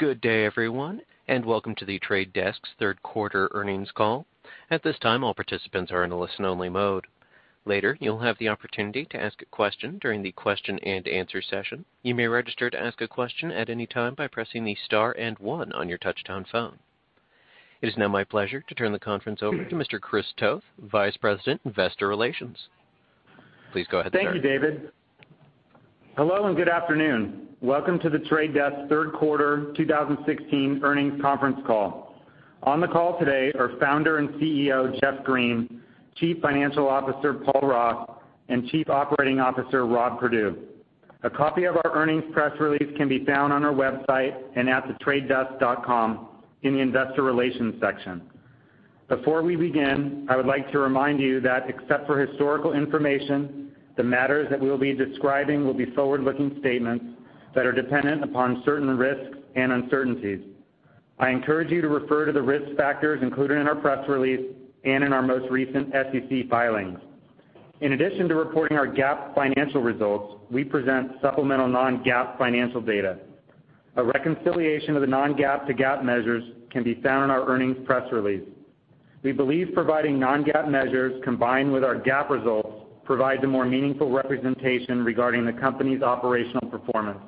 Good day, everyone, and welcome to The Trade Desk's third quarter earnings call. At this time, all participants are in a listen-only mode. Later, you'll have the opportunity to ask a question during the question and answer session. You may register to ask a question at any time by pressing the star and one on your touchtone phone. It is now my pleasure to turn the conference over to Mr. Chris Toth, Vice President, Investor Relations. Please go ahead, sir. Thank you, David. Hello, and good afternoon. Welcome to The Trade Desk's third quarter 2016 earnings conference call. On the call today are Founder and CEO, Jeff Green, Chief Financial Officer, Paul Ross, and Chief Operating Officer, Rob Perdue. A copy of our earnings press release can be found on our website and at thetradedesk.com in the Investor Relations section. Before we begin, I would like to remind you that except for historical information, the matters that we will be describing will be forward-looking statements that are dependent upon certain risks and uncertainties. I encourage you to refer to the risk factors included in our press release and in our most recent SEC filings. In addition to reporting our GAAP financial results, we present supplemental non-GAAP financial data. A reconciliation of the non-GAAP to GAAP measures can be found in our earnings press release. We believe providing non-GAAP measures combined with our GAAP results provides a more meaningful representation regarding the company's operational performance.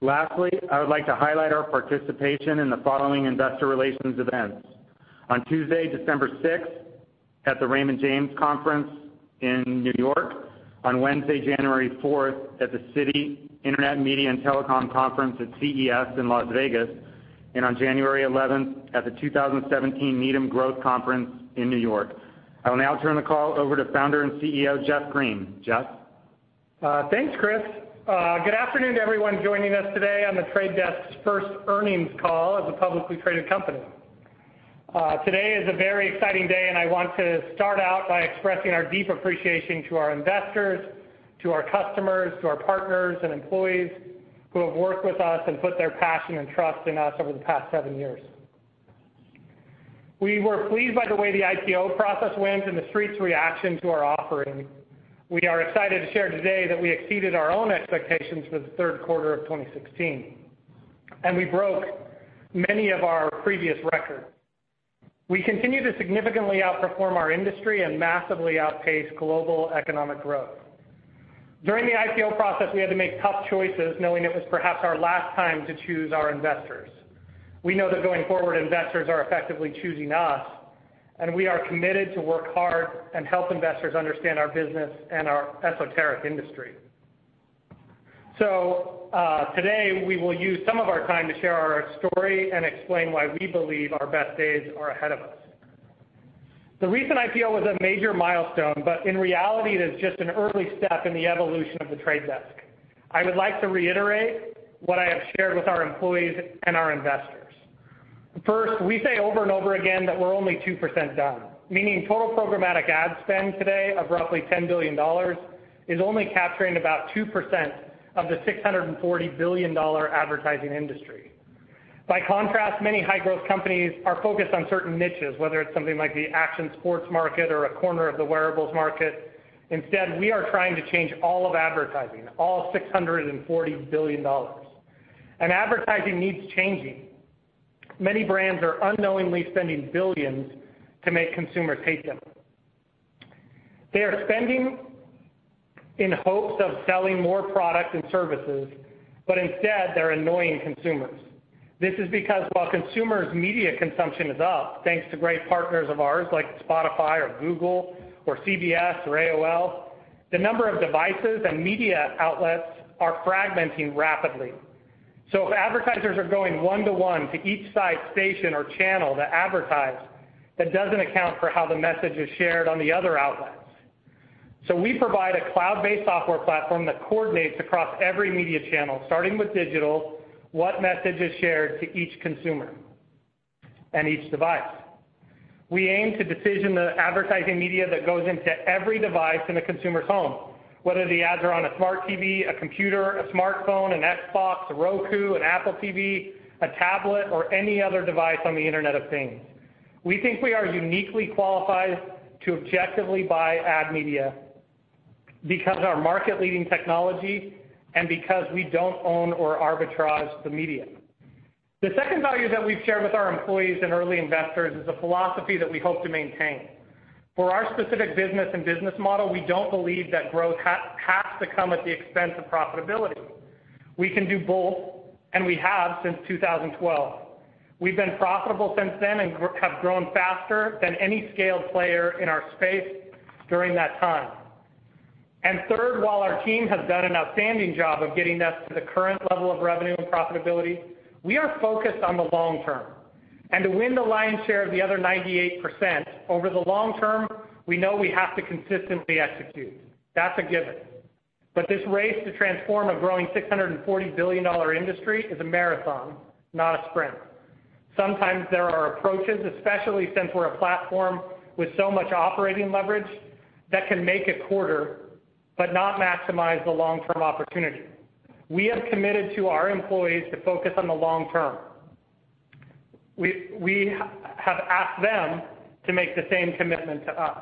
Lastly, I would like to highlight our participation in the following investor relations events. On Tuesday, December sixth, at the Raymond James Conference in New York, on Wednesday, January fourth, at the Citi Internet, Media & Telecommunications Conference at CES in Las Vegas, and on January 11th, at the 2017 Needham Growth Conference in New York. I will now turn the call over to Founder and CEO, Jeff Green. Jeff? Thanks, Chris. Good afternoon to everyone joining us today on The Trade Desk's first earnings call as a publicly traded company. Today is a very exciting day, and I want to start out by expressing our deep appreciation to our investors, to our customers, to our partners, and employees who have worked with us and put their passion and trust in us over the past seven years. We were pleased by the way the IPO process went and the Street's reaction to our offering. We are excited to share today that we exceeded our own expectations for the third quarter of 2016. We broke many of our previous records. We continue to significantly outperform our industry and massively outpace global economic growth. During the IPO process, we had to make tough choices, knowing it was perhaps our last time to choose our investors. We know that going forward, investors are effectively choosing us, and we are committed to work hard and help investors understand our business and our esoteric industry. Today, we will use some of our time to share our story and explain why we believe our best days are ahead of us. The recent IPO was a major milestone, but in reality, it is just an early step in the evolution of The Trade Desk. I would like to reiterate what I have shared with our employees and our investors. First, we say over and over again that we're only 2% done, meaning total programmatic ad spend today of roughly $10 billion is only capturing about 2% of the $640 billion advertising industry. By contrast, many high-growth companies are focused on certain niches, whether it's something like the action sports market or a corner of the wearables market. Instead, we are trying to change all of advertising, all $640 billion. Advertising needs changing. Many brands are unknowingly spending billions to make consumers hate them. They are spending in hopes of selling more products and services, but instead, they're annoying consumers. This is because while consumers' media consumption is up, thanks to great partners of ours like Spotify or Google or CBS or AOL, the number of devices and media outlets are fragmenting rapidly. If advertisers are going one to one to each site, station, or channel to advertise, that doesn't account for how the message is shared on the other outlets. We provide a cloud-based software platform that coordinates across every media channel, starting with digital, what message is shared to each consumer and each device. We aim to decision the advertising media that goes into every device in a consumer's home, whether the ads are on a smart TV, a computer, a smartphone, an Xbox, a Roku, an Apple TV, a tablet, or any other device on the Internet of Things. We think we are uniquely qualified to objectively buy ad media because our market-leading technology and because we don't own or arbitrage the media. The second value that we've shared with our employees and early investors is a philosophy that we hope to maintain. For our specific business and business model, we don't believe that growth has to come at the expense of profitability. We can do both, and we have since 2012. We've been profitable since then and have grown faster than any scaled player in our space during that time. Third, while our team has done an outstanding job of getting us to the current level of revenue and profitability, we are focused on the long term, and to win the lion's share of the other 98%, over the long term, we know we have to consistently execute. That's a given. This race to transform a growing $640 billion industry is a marathon, not a sprint. Sometimes there are approaches, especially since we're a platform with so much operating leverage, that can make a quarter but not maximize the long-term opportunity. We have committed to our employees to focus on the long term. We have asked them to make the same commitment to us.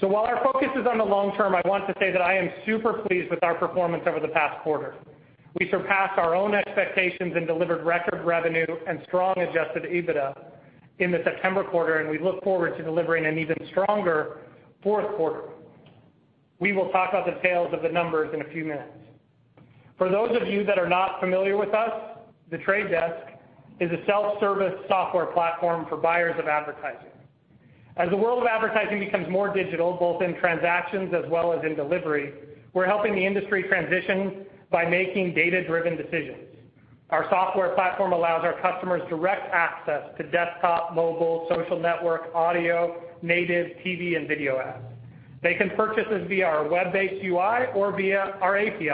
While our focus is on the long term, I want to say that I am super pleased with our performance over the past quarter. We surpassed our own expectations and delivered record revenue and strong adjusted EBITDA in the September quarter. We look forward to delivering an even stronger fourth quarter. We will talk about the details of the numbers in a few minutes. For those of you that are not familiar with us, The Trade Desk is a self-service software platform for buyers of advertising. As the world of advertising becomes more digital, both in transactions as well as in delivery, we're helping the industry transition by making data-driven decisions. Our software platform allows our customers direct access to desktop, mobile, social network, audio, native TV, and video ads. They can purchase this via our web-based UI or via our API,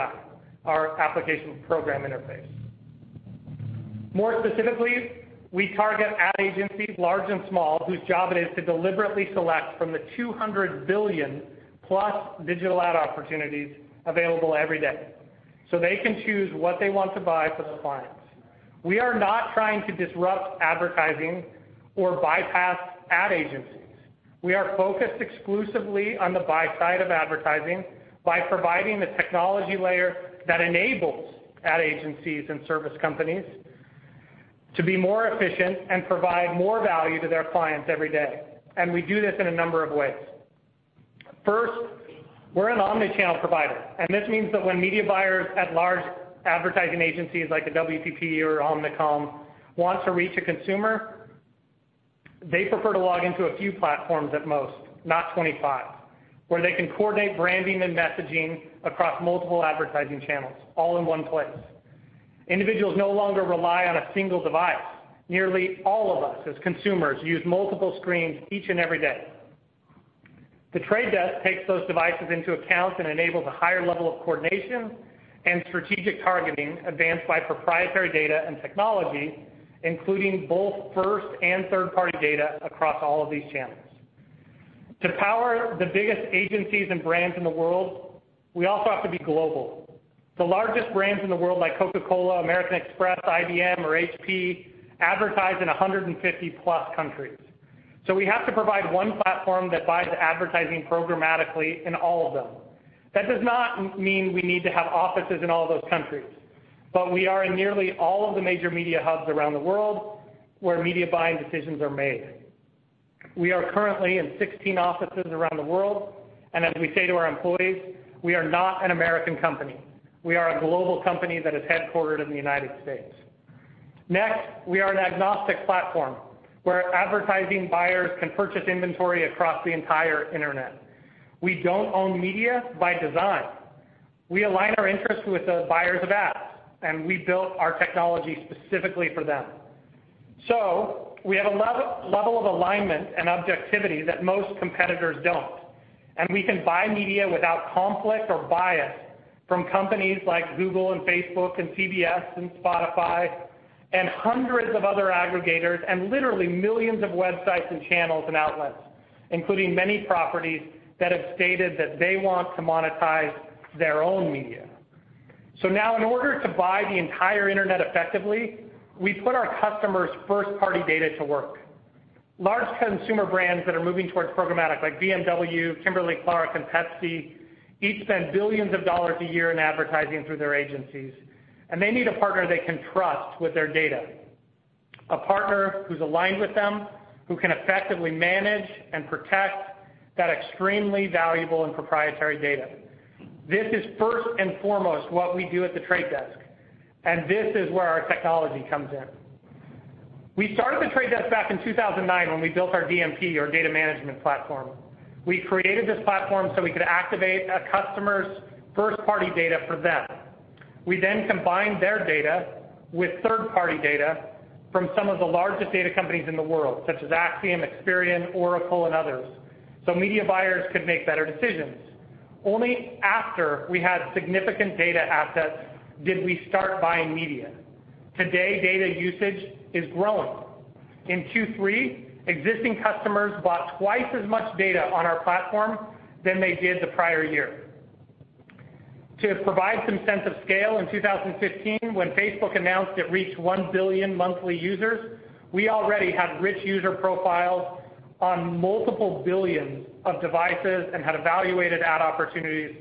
our application program interface. More specifically, we target ad agencies, large and small, whose job it is to deliberately select from the 200 billion-plus digital ad opportunities available every day, so they can choose what they want to buy for their clients. We are not trying to disrupt advertising or bypass ad agencies. We are focused exclusively on the buy side of advertising by providing the technology layer that enables ad agencies and service companies to be more efficient and provide more value to their clients every day. We do this in a number of ways. First, we're an omnichannel provider. This means that when media buyers at large advertising agencies like a WPP or Omnicom want to reach a consumer, they prefer to log into a few platforms at most, not 25, where they can coordinate branding and messaging across multiple advertising channels all in one place. Individuals no longer rely on a single device. Nearly all of us, as consumers, use multiple screens each and every day. The Trade Desk takes those devices into account and enables a higher level of coordination and strategic targeting advanced by proprietary data and technology, including both first and third-party data across all of these channels. To power the biggest agencies and brands in the world, we also have to be global. The largest brands in the world, like Coca-Cola, American Express, IBM, or HP, advertise in 150-plus countries. We have to provide one platform that buys advertising programmatically in all of them. That does not mean we need to have offices in all those countries, but we are in nearly all of the major media hubs around the world where media buying decisions are made. We are currently in 16 offices around the world. As we say to our employees, we are not an American company. We are a global company that is headquartered in the United States. Next, we are an agnostic platform where advertising buyers can purchase inventory across the entire internet. We don't own media by design. We align our interests with the buyers of ads. We built our technology specifically for them. We have a level of alignment and objectivity that most competitors don't. We can buy media without conflict or bias from companies like Google and Facebook and CBS and Spotify and hundreds of other aggregators and literally millions of websites and channels and outlets, including many properties that have stated that they want to monetize their own media. In order to buy the entire internet effectively, we put our customers' first-party data to work. Large consumer brands that are moving towards programmatic, like BMW, Kimberly-Clark, and Pepsi, each spend $ billions a year in advertising through their agencies, and they need a partner they can trust with their data. A partner who's aligned with them, who can effectively manage and protect that extremely valuable and proprietary data. This is first and foremost what we do at The Trade Desk, and this is where our technology comes in. We started The Trade Desk back in 2009 when we built our DMP, our data management platform. We created this platform so we could activate a customer's first-party data for them. We combined their data with third-party data from some of the largest data companies in the world, such as Acxiom, Experian, Oracle, and others, so media buyers could make better decisions. Only after we had significant data assets did we start buying media. Today, data usage is growing. In Q3, existing customers bought twice as much data on our platform than they did the prior year. To provide some sense of scale, in 2015, when Facebook announced it reached 1 billion monthly users, we already had rich user profiles on multiple billions of devices and had evaluated ad opportunities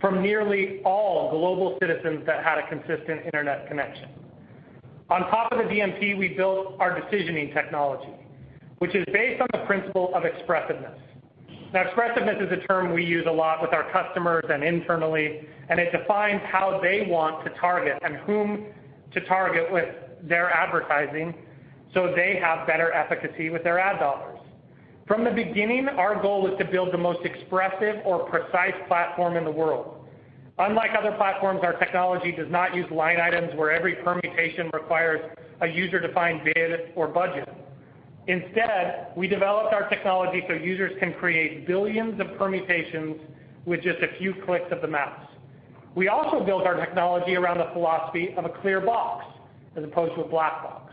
from nearly all global citizens that had a consistent internet connection. On top of the DMP, we built our decisioning technology, which is based on the principle of expressiveness. Expressiveness is a term we use a lot with our customers and internally, and it defines how they want to target and whom to target with their advertising so they have better efficacy with their ad dollars. From the beginning, our goal was to build the most expressive or precise platform in the world. Unlike other platforms, our technology does not use line items where every permutation requires a user-defined bid or budget. Instead, we developed our technology so users can create billions of permutations with just a few clicks of the mouse. We also built our technology around the philosophy of a Clear Box as opposed to a black box.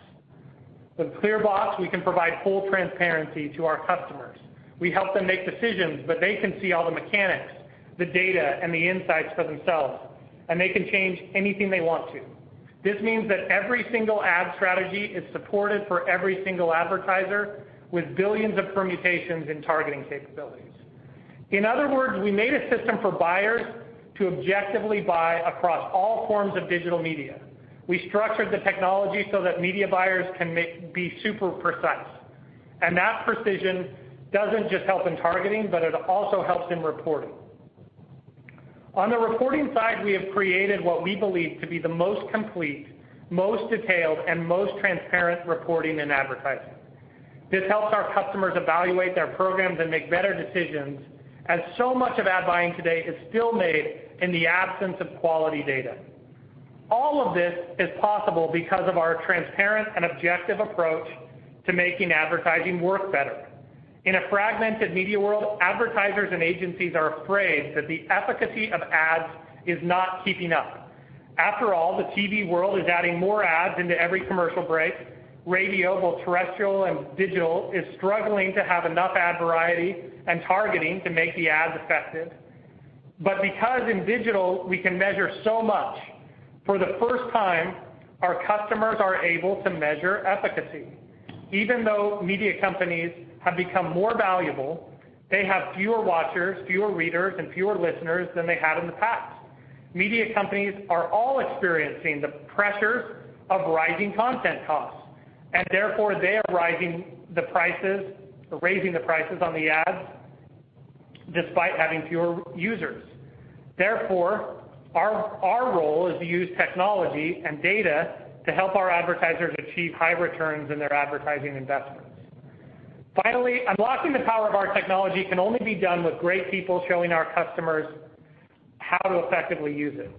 With Clear Box, we can provide full transparency to our customers. We help them make decisions, but they can see all the mechanics, the data, and the insights for themselves, and they can change anything they want to. This means that every single ad strategy is supported for every single advertiser, with billions of permutations and targeting capabilities. In other words, we made a system for buyers to objectively buy across all forms of digital media. We structured the technology so that media buyers can be super precise. That precision doesn't just help in targeting, but it also helps in reporting. On the reporting side, we have created what we believe to be the most complete, most detailed, and most transparent reporting in advertising. This helps our customers evaluate their programs and make better decisions, as so much of ad buying today is still made in the absence of quality data. All of this is possible because of our transparent and objective approach to making advertising work better. In a fragmented media world, advertisers and agencies are afraid that the efficacy of ads is not keeping up. After all, the TV world is adding more ads into every commercial break. Radio, both terrestrial and digital, is struggling to have enough ad variety and targeting to make the ads effective. Because in digital we can measure so much, for the first time, our customers are able to measure efficacy. Even though media companies have become more valuable, they have fewer watchers, fewer readers, and fewer listeners than they had in the past. Media companies are all experiencing the pressures of rising content costs, therefore they are raising the prices on the ads despite having fewer users. Therefore, our role is to use technology and data to help our advertisers achieve high returns on their advertising investments. Finally, unlocking the power of our technology can only be done with great people showing our customers how to effectively use it.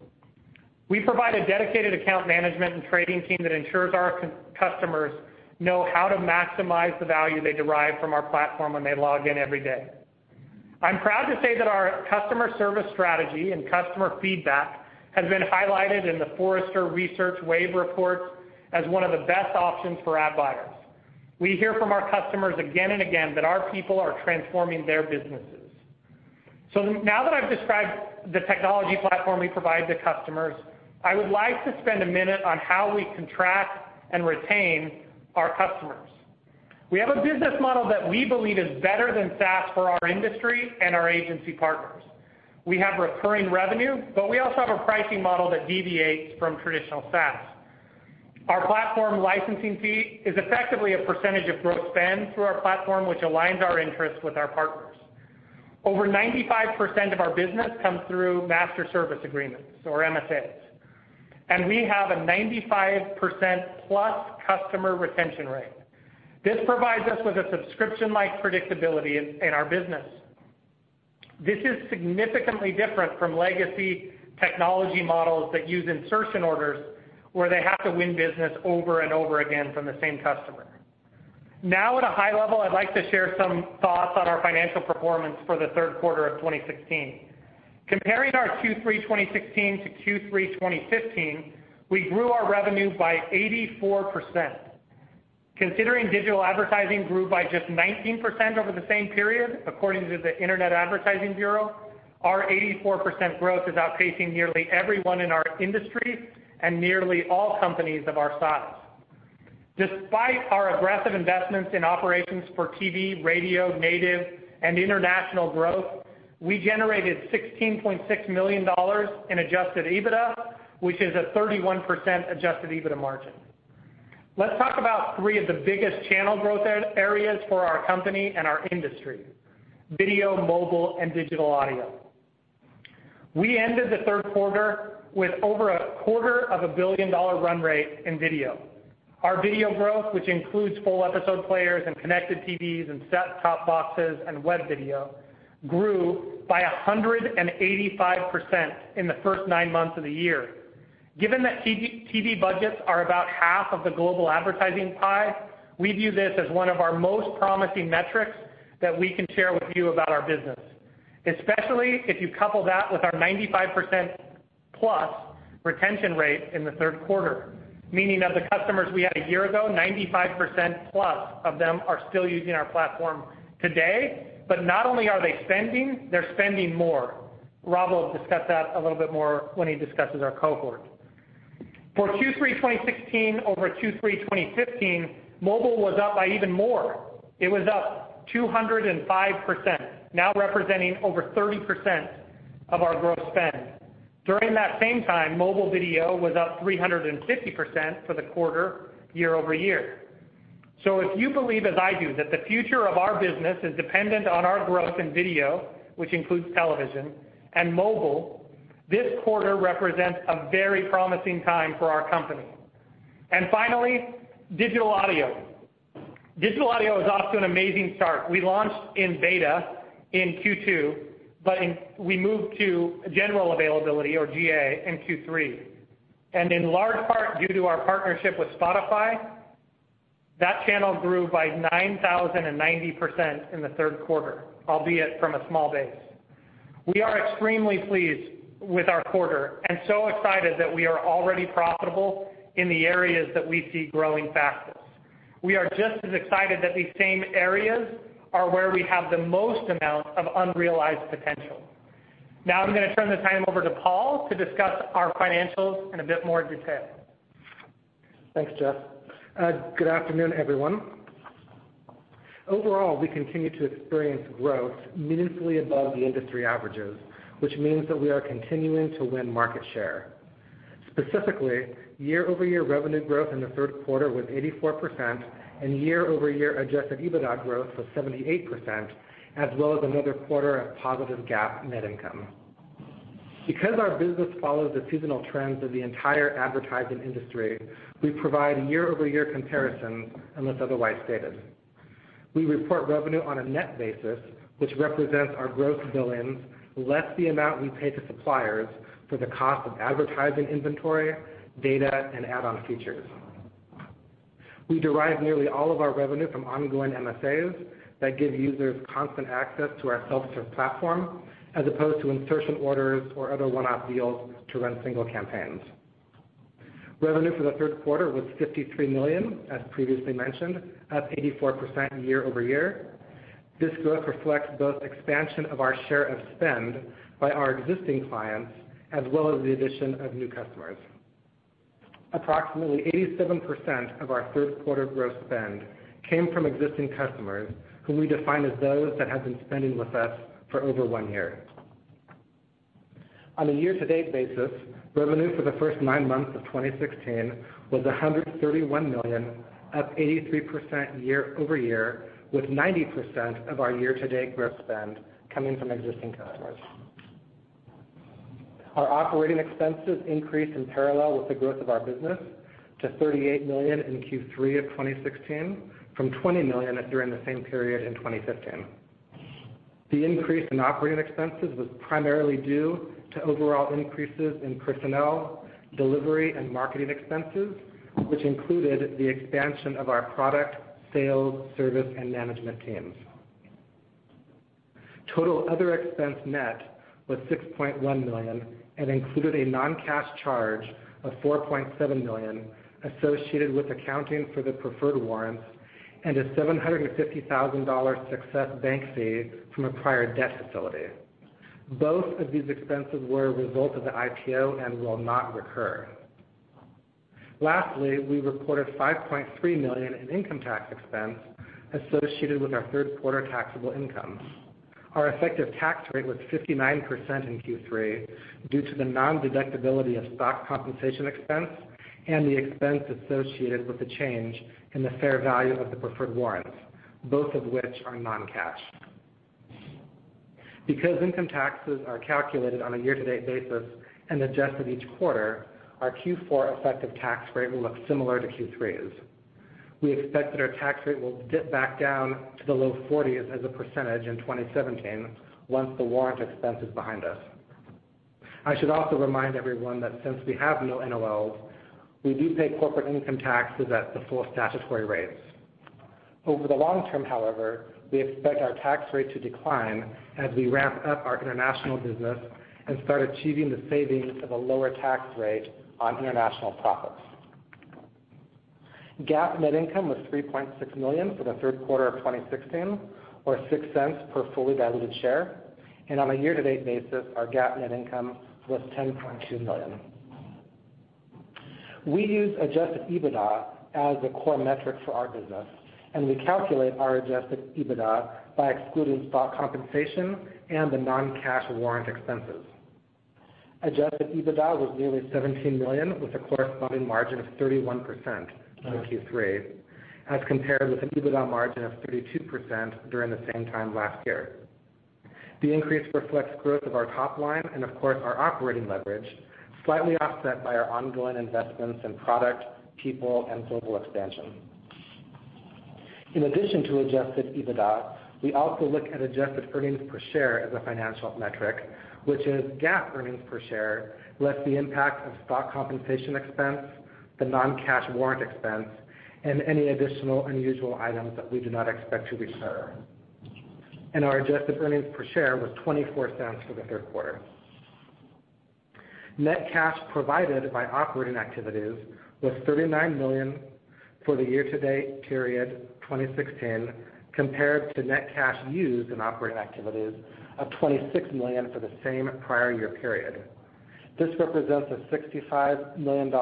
We provide a dedicated account management and trading team that ensures our customers know how to maximize the value they derive from our platform when they log in every day. I'm proud to say that our customer service strategy and customer feedback has been highlighted in the Forrester Research Wave report as one of the best options for ad buyers. We hear from our customers again and again that our people are transforming their businesses. Now that I've described the technology platform we provide to customers, I would like to spend a minute on how we contract and retain our customers. We have a business model that we believe is better than SaaS for our industry and our agency partners. We have recurring revenue, we also have a pricing model that deviates from traditional SaaS. Our platform licensing fee is effectively a percentage of gross spend through our platform, which aligns our interests with our partners. Over 95% of our business comes through master service agreements or MSAs, and we have a 95%+ customer retention rate. This provides us with a subscription-like predictability in our business. This is significantly different from legacy technology models that use insertion orders, where they have to win business over and over again from the same customer. At a high level, I'd like to share some thoughts on our financial performance for the third quarter of 2016. Comparing our Q3 2016 to Q3 2015, we grew our revenue by 84%. Considering digital advertising grew by just 19% over the same period, according to the Interactive Advertising Bureau, our 84% growth is outpacing nearly everyone in our industry and nearly all companies of our size. Despite our aggressive investments in operations for TV, radio, native, and international growth, we generated $16.6 million in adjusted EBITDA, which is a 31% adjusted EBITDA margin. Let's talk about three of the biggest channel growth areas for our company and our industry, video, mobile, and digital audio. We ended the third quarter with over a quarter of a billion-dollar run rate in video. Our video growth, which includes full episode players and connected TVs and set-top boxes and web video, grew by 185% in the first nine months of the year. Given that TV budgets are about half of the global advertising pie, we view this as one of our most promising metrics that we can share with you about our business, especially if you couple that with our 95% plus retention rate in the third quarter, meaning of the customers we had a year ago, 95% plus of them are still using our platform today. Not only are they spending, they're spending more. Rob will discuss that a little bit more when he discusses our cohort. For Q3 2016 over Q3 2015, mobile was up by even more. It was up 205%, now representing over 30% of our gross spend. During that same time, mobile video was up 350% for the quarter year-over-year. If you believe, as I do, that the future of our business is dependent on our growth in video, which includes television and mobile, this quarter represents a very promising time for our company. Finally, digital audio. Digital audio is off to an amazing start. We launched in beta in Q2, but we moved to general availability or GA in Q3. In large part due to our partnership with Spotify, that channel grew by 9,090% in the third quarter, albeit from a small base. We are extremely pleased with our quarter and so excited that we are already profitable in the areas that we see growing fastest. We are just as excited that these same areas are where we have the most amount of unrealized potential. I'm going to turn the time over to Paul to discuss our financials in a bit more detail. Thanks, Jeff. Good afternoon, everyone. Overall, we continue to experience growth meaningfully above the industry averages, which means that we are continuing to win market share. Specifically, year-over-year revenue growth in the third quarter was 84%, and year-over-year adjusted EBITDA growth was 78%, as well as another quarter of positive GAAP net income. Because our business follows the seasonal trends of the entire advertising industry, we provide a year-over-year comparison unless otherwise stated. We report revenue on a net basis, which represents our gross billings less the amount we pay to suppliers for the cost of advertising inventory, data, and add-on features. We derive nearly all of our revenue from ongoing MSAs that give users constant access to our self-serve platform, as opposed to insertion orders or other one-off deals to run single campaigns. Revenue for the third quarter was $53 million, as previously mentioned, up 84% year-over-year. This growth reflects both expansion of our share of spend by our existing clients as well as the addition of new customers. Approximately 87% of our third quarter gross spend came from existing customers, whom we define as those that have been spending with us for over one year. On a year-to-date basis, revenue for the first nine months of 2016 was $131 million, up 83% year-over-year, with 90% of our year-to-date gross spend coming from existing customers. Our operating expenses increased in parallel with the growth of our business to $38 million in Q3 of 2016 from $20 million during the same period in 2015. The increase in operating expenses was primarily due to overall increases in personnel, delivery, and marketing expenses, which included the expansion of our product, sales, service, and management teams. Total other expense net was $6.1 million and included a non-cash charge of $4.7 million associated with accounting for the preferred warrants and a $750,000 success bank fee from a prior debt facility. Both of these expenses were a result of the IPO and will not recur. We reported $5.3 million in income tax expense associated with our third quarter taxable income. Our effective tax rate was 59% in Q3 due to the non-deductibility of stock compensation expense and the expense associated with the change in the fair value of the preferred warrants, both of which are non-cash. Because income taxes are calculated on a year-to-date basis and adjusted each quarter, our Q4 effective tax rate will look similar to Q3's. We expect that our tax rate will dip back down to the low 40s as a percentage in 2017 once the warrant expense is behind us. I should also remind everyone that since we have no NOLs, we do pay corporate income taxes at the full statutory rates. Over the long term, however, we expect our tax rate to decline as we ramp up our international business and start achieving the savings of a lower tax rate on international profits. GAAP net income was $3.6 million for the third quarter of 2016, or $0.06 per fully diluted share, and on a year-to-date basis, our GAAP net income was $10.2 million. We use adjusted EBITDA as the core metric for our business, and we calculate our adjusted EBITDA by excluding stock compensation and the non-cash warrant expenses. Adjusted EBITDA was nearly $17 million, with a corresponding margin of 31% in Q3 as compared with an EBITDA margin of 32% during the same time last year. The increase reflects growth of our top line and, of course, our operating leverage, slightly offset by our ongoing investments in product, people, and global expansion. In addition to adjusted EBITDA, we also look at adjusted earnings per share as a financial metric, which is GAAP earnings per share less the impact of stock compensation expense, the non-cash warrant expense, and any additional unusual items that we do not expect to recur. Our adjusted earnings per share was $0.24 for the third quarter. Net cash provided by operating activities was $39 million for the year-to-date period 2016, compared to net cash used in operating activities of $26 million for the same prior year period. This represents a $65 million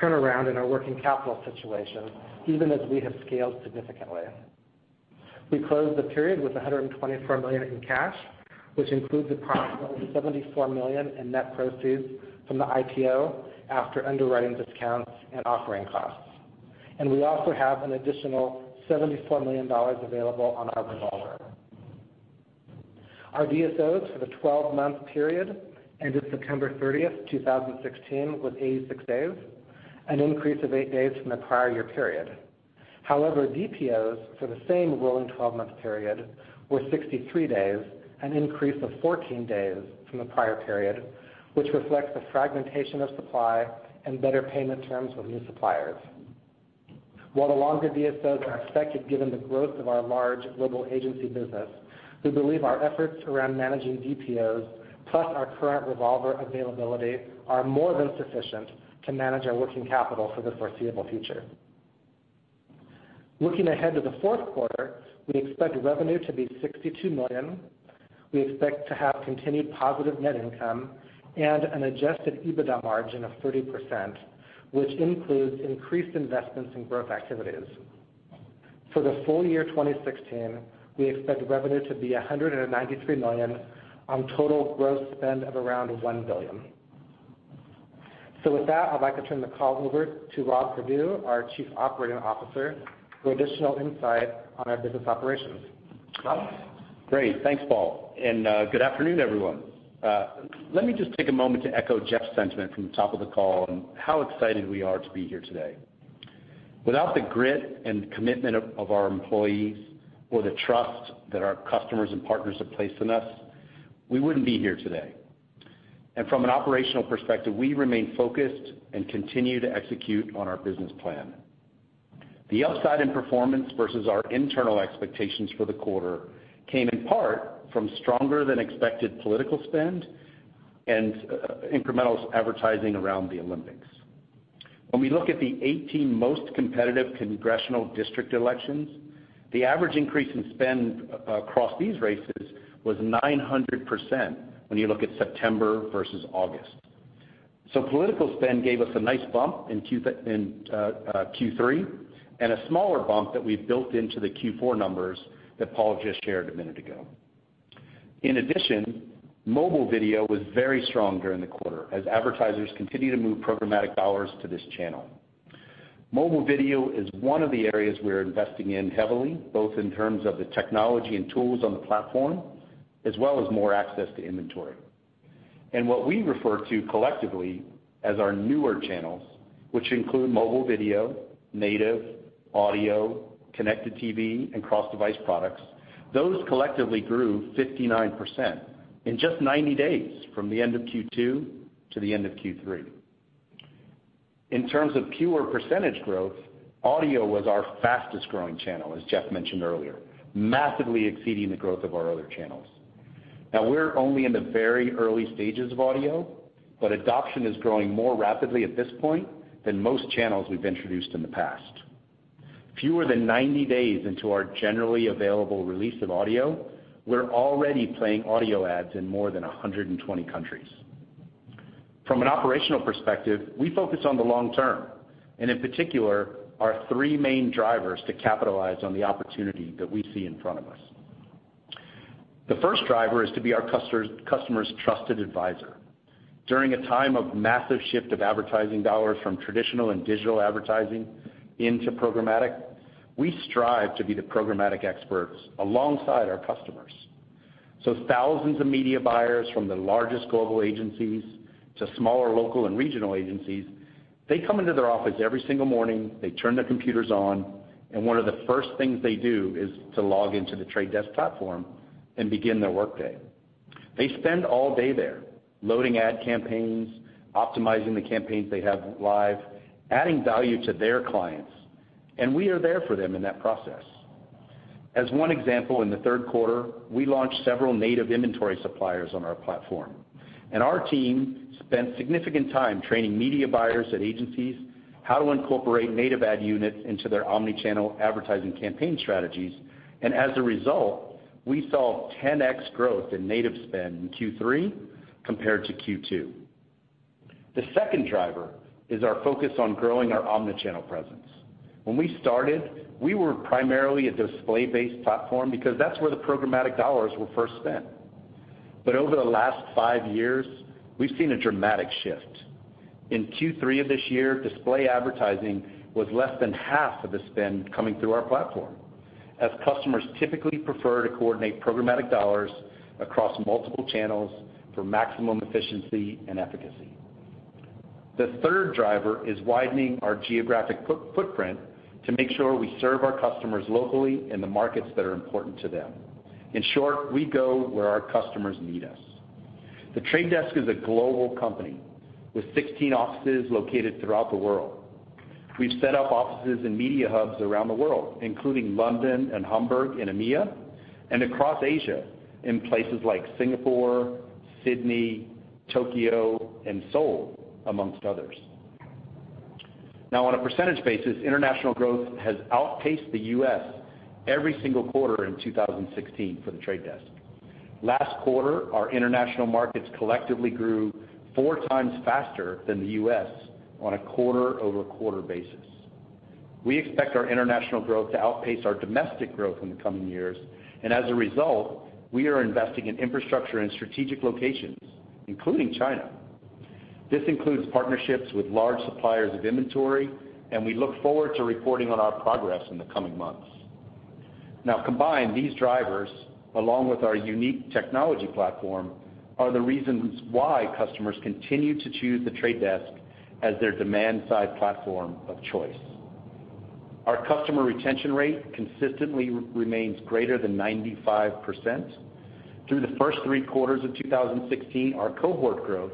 turnaround in our working capital situation, even as we have scaled significantly. We closed the period with $124 million in cash, which includes approximately $74 million in net proceeds from the IPO after underwriting discounts and offering costs. We also have an additional $74 million available on our revolver. Our DSOs for the 12-month period ended September 30th, 2016, was 86 days, an increase of eight days from the prior year period. However, DPOs for the same rolling 12-month period were 63 days, an increase of 14 days from the prior period, which reflects the fragmentation of supply and better payment terms with new suppliers. While the longer DSOs are expected given the growth of our large global agency business, we believe our efforts around managing DPOs, plus our current revolver availability are more than sufficient to manage our working capital for the foreseeable future. Looking ahead to the fourth quarter, we expect revenue to be $62 million. We expect to have continued positive net income and an adjusted EBITDA margin of 30%, which includes increased investments in growth activities. For the full year 2016, we expect revenue to be $193 million on total gross spend of around $1 billion. With that, I'd like to turn the call over to Rob Perdue, our Chief Operating Officer, for additional insight on our business operations. Rob? Great. Thanks, Paul, and good afternoon, everyone. Let me just take a moment to echo Jeff's sentiment from the top of the call on how excited we are to be here today. Without the grit and commitment of our employees or the trust that our customers and partners have placed in us, we wouldn't be here today. From an operational perspective, we remain focused and continue to execute on our business plan. The upside in performance versus our internal expectations for the quarter came in part from stronger than expected political spend and incremental advertising around the Olympics. When we look at the 18 most competitive congressional district elections, the average increase in spend across these races was 900% when you look at September versus August. Political spend gave us a nice bump in Q3 and a smaller bump that we've built into the Q4 numbers that Paul just shared a minute ago. In addition, mobile video was very strong during the quarter as advertisers continue to move programmatic dollars to this channel. Mobile video is one of the areas we're investing in heavily, both in terms of the technology and tools on the platform, as well as more access to inventory. What we refer to collectively as our newer channels, which include mobile video, native, audio, connected TV, and cross-device products, those collectively grew 59% in just 90 days from the end of Q2 to the end of Q3. In terms of pure percentage growth, audio was our fastest-growing channel, as Jeff mentioned earlier, massively exceeding the growth of our other channels. We're only in the very early stages of audio, but adoption is growing more rapidly at this point than most channels we've introduced in the past. Fewer than 90 days into our generally available release of audio, we're already playing audio ads in more than 120 countries. From an operational perspective, we focus on the long term, and in particular, our three main drivers to capitalize on the opportunity that we see in front of us. The first driver is to be our customer's trusted advisor. During a time of massive shift of advertising dollars from traditional and digital advertising into programmatic, we strive to be the programmatic experts alongside our customers. Thousands of media buyers from the largest global agencies to smaller local and regional agencies, they come into their office every single morning, they turn their computers on, and one of the first things they do is to log into The Trade Desk platform and begin their workday. They spend all day there loading ad campaigns, optimizing the campaigns they have live, adding value to their clients, and we are there for them in that process. As one example, in the third quarter, we launched several native inventory suppliers on our platform, and our team spent significant time training media buyers at agencies how to incorporate native ad units into their omnichannel advertising campaign strategies, and as a result, we saw 10x growth in native spend in Q3 compared to Q2. The second driver is our focus on growing our omnichannel presence. When we started, we were primarily a display-based platform because that's where the programmatic dollars were first spent. Over the last five years, we've seen a dramatic shift. In Q3 of this year, display advertising was less than half of the spend coming through our platform, as customers typically prefer to coordinate programmatic dollars across multiple channels for maximum efficiency and efficacy. The third driver is widening our geographic footprint to make sure we serve our customers locally in the markets that are important to them. In short, we go where our customers need us. The Trade Desk is a global company with 16 offices located throughout the world. We've set up offices in media hubs around the world, including London and Hamburg in EMEA, and across Asia in places like Singapore, Sydney, Tokyo, and Seoul, amongst others. On a percentage basis, international growth has outpaced the U.S. every single quarter in 2016 for The Trade Desk. Last quarter, our international markets collectively grew four times faster than the U.S. on a quarter-over-quarter basis. We expect our international growth to outpace our domestic growth in the coming years, we are investing in infrastructure in strategic locations, including China. This includes partnerships with large suppliers of inventory, we look forward to reporting on our progress in the coming months. Combined, these drivers, along with our unique technology platform, are the reasons why customers continue to choose The Trade Desk as their demand-side platform of choice. Our customer retention rate consistently remains greater than 95%. Through the first three quarters of 2016, our cohort growth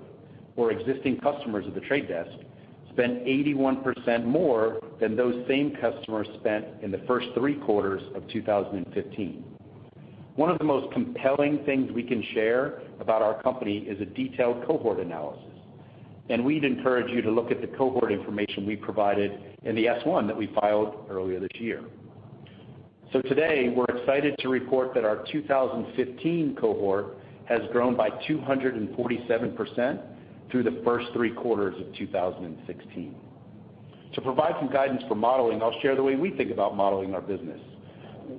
for existing customers of The Trade Desk spent 81% more than those same customers spent in the first three quarters of 2015. One of the most compelling things we can share about our company is a detailed cohort analysis, we'd encourage you to look at the cohort information we provided in the S1 that we filed earlier this year. Today, we're excited to report that our 2015 cohort has grown by 247% through the first three quarters of 2016. To provide some guidance for modeling, I'll share the way we think about modeling our business.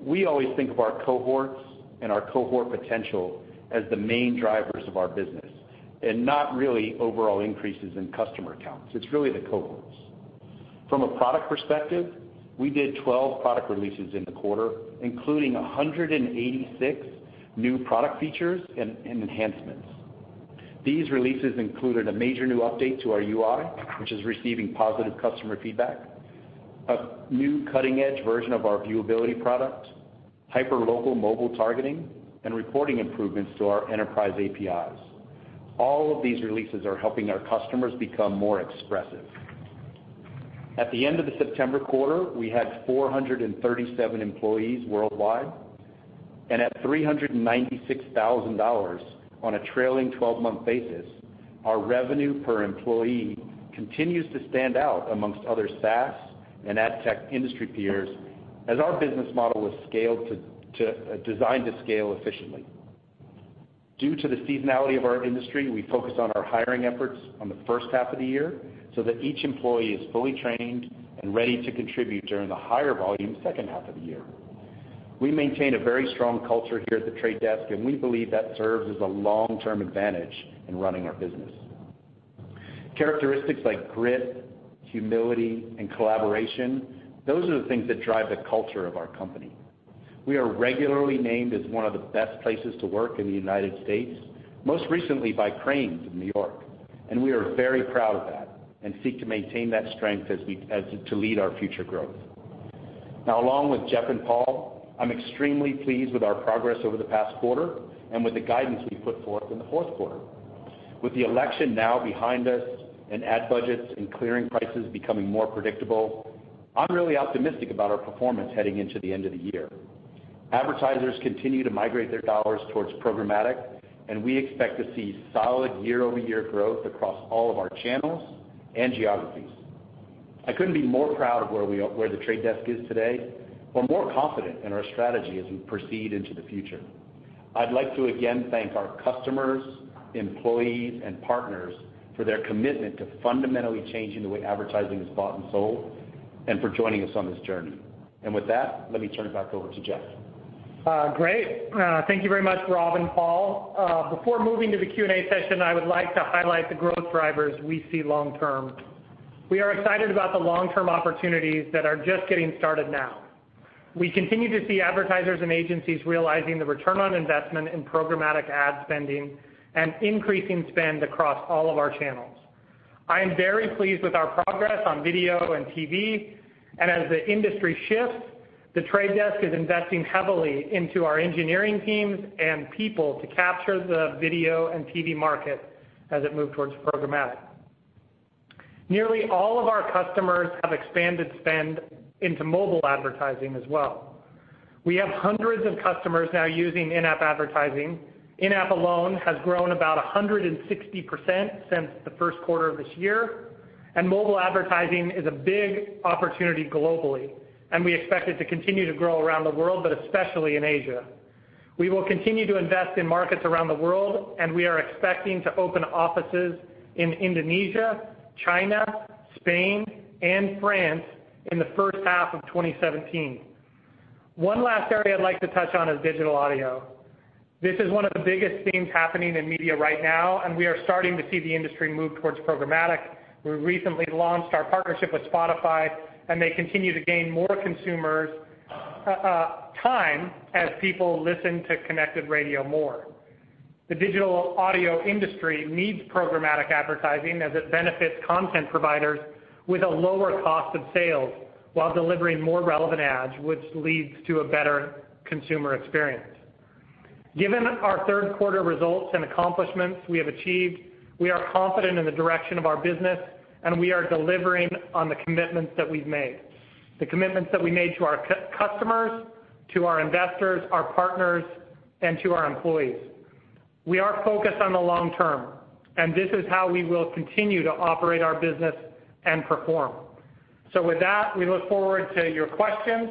We always think of our cohorts and our cohort potential as the main drivers of our business, not really overall increases in customer accounts. It's really the cohorts. From a product perspective, we did 12 product releases in the quarter, including 186 new product features and enhancements. These releases included a major new update to our UI, which is receiving positive customer feedback, a new cutting-edge version of our viewability product, hyperlocal mobile targeting, and reporting improvements to our enterprise APIs. All of these releases are helping our customers become more expressive. At the end of the September quarter, we had 437 employees worldwide, and at $396,000 on a trailing 12-month basis, our revenue per employee continues to stand out amongst other SaaS and ad tech industry peers, as our business model was designed to scale efficiently. Due to the seasonality of our industry, we focus our hiring efforts on the first half of the year so that each employee is fully trained and ready to contribute during the higher volume second half of the year. We maintain a very strong culture here at The Trade Desk, and we believe that serves as a long-term advantage in running our business. Characteristics like grit, humility, and collaboration, those are the things that drive the culture of our company. We are regularly named as one of the best places to work in the United States, most recently by Crain's New York, and we are very proud of that and seek to maintain that strength to lead our future growth. Along with Jeff and Paul, I'm extremely pleased with our progress over the past quarter and with the guidance we put forth in the fourth quarter. With the election now behind us and ad budgets and clearing prices becoming more predictable, I'm really optimistic about our performance heading into the end of the year. Advertisers continue to migrate their dollars towards programmatic, and we expect to see solid year-over-year growth across all of our channels and geographies. I couldn't be more proud of where The Trade Desk is today or more confident in our strategy as we proceed into the future. I'd like to again thank our customers, employees, and partners for their commitment to fundamentally changing the way advertising is bought and sold, and for joining us on this journey. With that, let me turn it back over to Jeff. Great. Thank you very much, Rob and Paul. Before moving to the Q&A session, I would like to highlight the growth drivers we see long term. We are excited about the long-term opportunities that are just getting started now. We continue to see advertisers and agencies realizing the return on investment in programmatic ad spending and increasing spend across all of our channels. I am very pleased with our progress on video and TV, and as the industry shifts, The Trade Desk is investing heavily into our engineering teams and people to capture the video and TV market as it moves towards programmatic. Nearly all of our customers have expanded spend into mobile advertising as well. We have hundreds of customers now using in-app advertising. In-app alone has grown about 160% since the first quarter of this year. Mobile advertising is a big opportunity globally. We expect it to continue to grow around the world, but especially in Asia. We will continue to invest in markets around the world, and we are expecting to open offices in Indonesia, China, Spain, and France in the first half of 2017. One last area I'd like to touch on is digital audio. This is one of the biggest things happening in media right now. We are starting to see the industry move towards programmatic. We recently launched our partnership with Spotify, and they continue to gain more consumers' time as people listen to connected radio more. The digital audio industry needs programmatic advertising as it benefits content providers with a lower cost of sales while delivering more relevant ads, which leads to a better consumer experience. Given our third quarter results and accomplishments we have achieved, we are confident in the direction of our business. We are delivering on the commitments that we've made, the commitments that we made to our customers, to our investors, our partners, and to our employees. We are focused on the long term. This is how we will continue to operate our business and perform. With that, we look forward to your questions.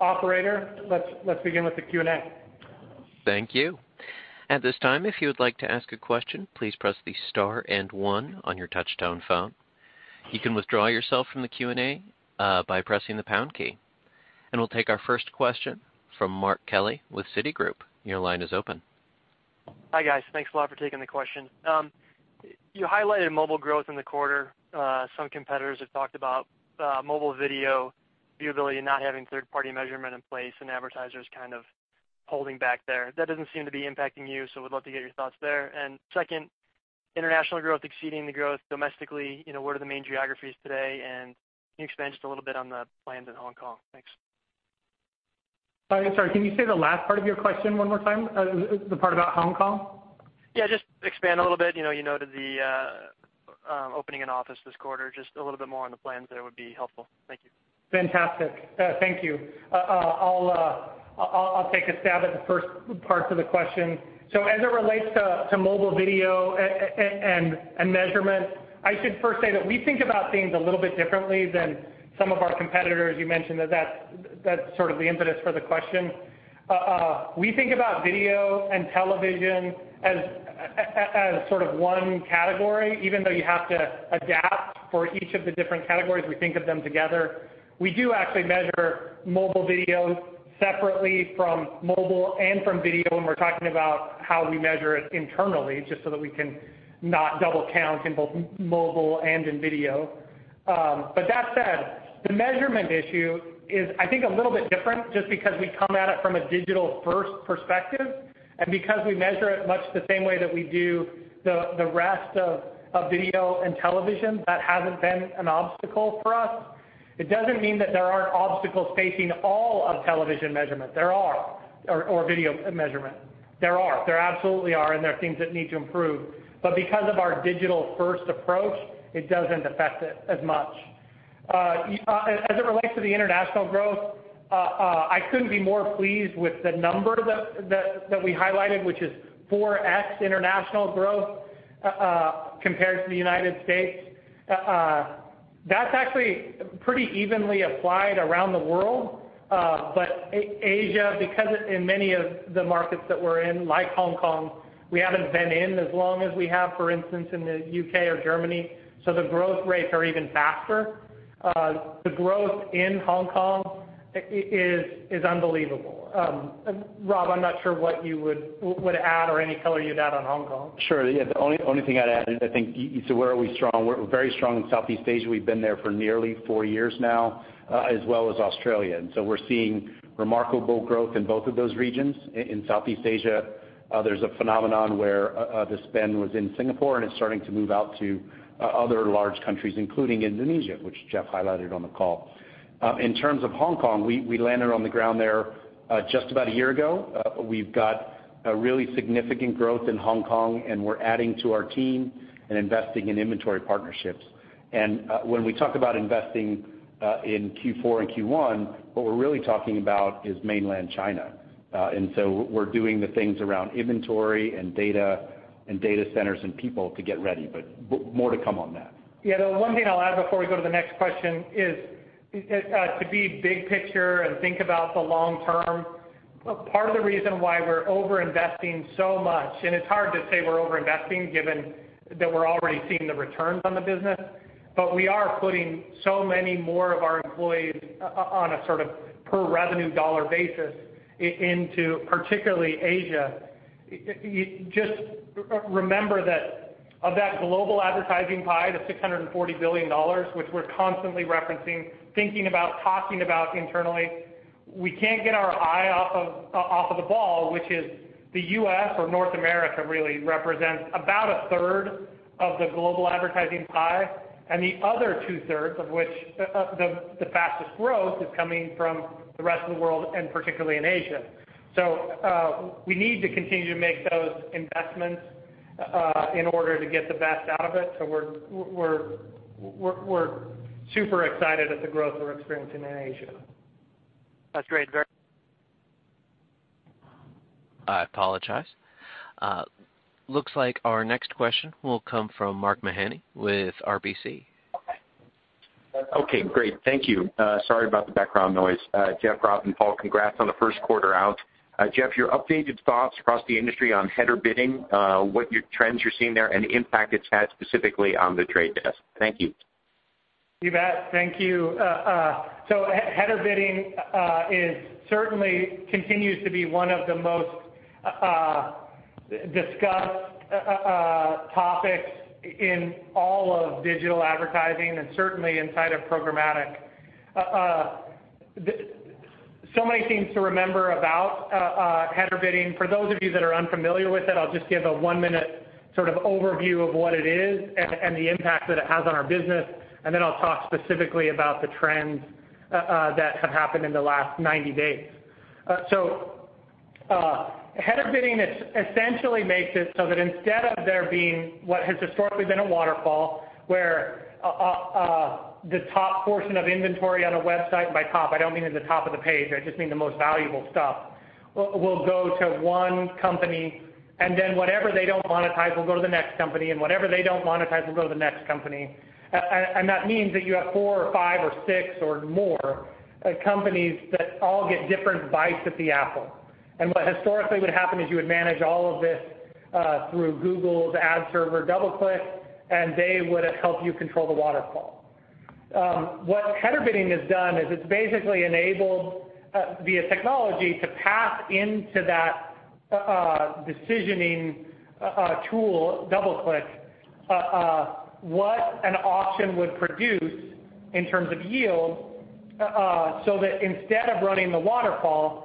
Operator, let's begin with the Q&A. Thank you. At this time, if you would like to ask a question, please press the star and one on your touch-tone phone. You can withdraw yourself from the Q&A by pressing the pound key. We'll take our first question from Mark Kelley with Citigroup. Your line is open. Hi, guys. Thanks a lot for taking the question. You highlighted mobile growth in the quarter. Some competitors have talked about mobile video viewability not having third-party measurement in place and advertisers kind of holding back there. That doesn't seem to be impacting you. Would love to get your thoughts there. Second International growth exceeding the growth domestically. What are the main geographies today, and can you expand just a little bit on the plans in Hong Kong? Thanks. Sorry, can you say the last part of your question one more time? The part about Hong Kong? Yeah, just expand a little bit. You noted the opening an office this quarter, just a little bit more on the plans there would be helpful. Thank you. Fantastic. Thank you. I'll take a stab at the first parts of the question. As it relates to mobile video and measurement, I should first say that we think about things a little bit differently than some of our competitors. You mentioned that that's sort of the impetus for the question. We think about video and television as sort of one category, even though you have to adapt for each of the different categories, we think of them together. We do actually measure mobile video separately from mobile and from video when we're talking about how we measure it internally, just so that we can not double count in both mobile and in video. That said, the measurement issue is, I think, a little bit different just because we come at it from a digital-first perspective, and because we measure it much the same way that we do the rest of video and television, that hasn't been an obstacle for us. It doesn't mean that there aren't obstacles facing all of television measurement. There are. Or video measurement. There are. There absolutely are, and there are things that need to improve. Because of our digital-first approach, it doesn't affect it as much. As it relates to the international growth, I couldn't be more pleased with the number that we highlighted, which is 4x international growth compared to the United States. That's actually pretty evenly applied around the world. Asia, because in many of the markets that we're in, like Hong Kong, we haven't been in as long as we have, for instance, in the U.K. or Germany, the growth rates are even faster. The growth in Hong Kong is unbelievable. Rob Perdue, I'm not sure what you would add or any color you'd add on Hong Kong. Sure. The only thing I'd add is I think, you said where are we strong. We're very strong in Southeast Asia. We've been there for nearly four years now, as well as Australia. We're seeing remarkable growth in both of those regions. In Southeast Asia, there's a phenomenon where the spend was in Singapore, and it's starting to move out to other large countries, including Indonesia, which Jeff Green highlighted on the call. In terms of Hong Kong, we landed on the ground there just about a year ago. We've got a really significant growth in Hong Kong, and we're adding to our team and investing in inventory partnerships. When we talk about investing in Q4 and Q1, what we're really talking about is mainland China. We're doing the things around inventory and data and data centers and people to get ready, but more to come on that. The one thing I'll add before we go to the next question is to be big picture and think about the long term. Part of the reason why we're overinvesting so much, and it's hard to say we're overinvesting given that we're already seeing the returns on the business, but we are putting so many more of our employees on a sort of per revenue dollar basis into particularly Asia. Just remember that of that global advertising pie, the $640 billion, which we're constantly referencing, thinking about, talking about internally, we can't get our eye off of the ball, which is the U.S. or North America really represents about a third of the global advertising pie, the other two thirds of which the fastest growth is coming from the rest of the world and particularly in Asia. We need to continue to make those investments in order to get the best out of it. We're super excited at the growth we're experiencing in Asia. That's great. I apologize. Looks like our next question will come from Mark Mahaney with RBC. Great. Thank you. Sorry about the background noise. Jeff, Rob, and Paul, congrats on the first quarter out. Jeff, your updated thoughts across the industry on header bidding, what trends you're seeing there, and the impact it's had specifically on The Trade Desk. Thank you. You bet. Thank you. Header bidding certainly continues to be one of the most discussed topics in all of digital advertising and certainly inside of programmatic. Many things to remember about header bidding. For those of you that are unfamiliar with it, I'll just give a one-minute sort of overview of what it is and the impact that it has on our business, and then I'll talk specifically about the trends that have happened in the last 90 days. Header bidding essentially makes it so that instead of there being what has historically been a waterfall, where the top portion of inventory on a website, by top, I don't mean at the top of the page, I just mean the most valuable stuff, will go to one company, and then whatever they don't monetize will go to the next company, and whatever they don't monetize will go to the next company. That means that you have four or five or six or more companies that all get different bites at the apple. What historically would happen is you would manage all of this through Google's ad server, DoubleClick, and they would help you control the waterfall. What header bidding has done is it's basically enabled, via technology, to pass into that decisioning tool, DoubleClick, what an auction would produce in terms of yield, so that instead of running the waterfall,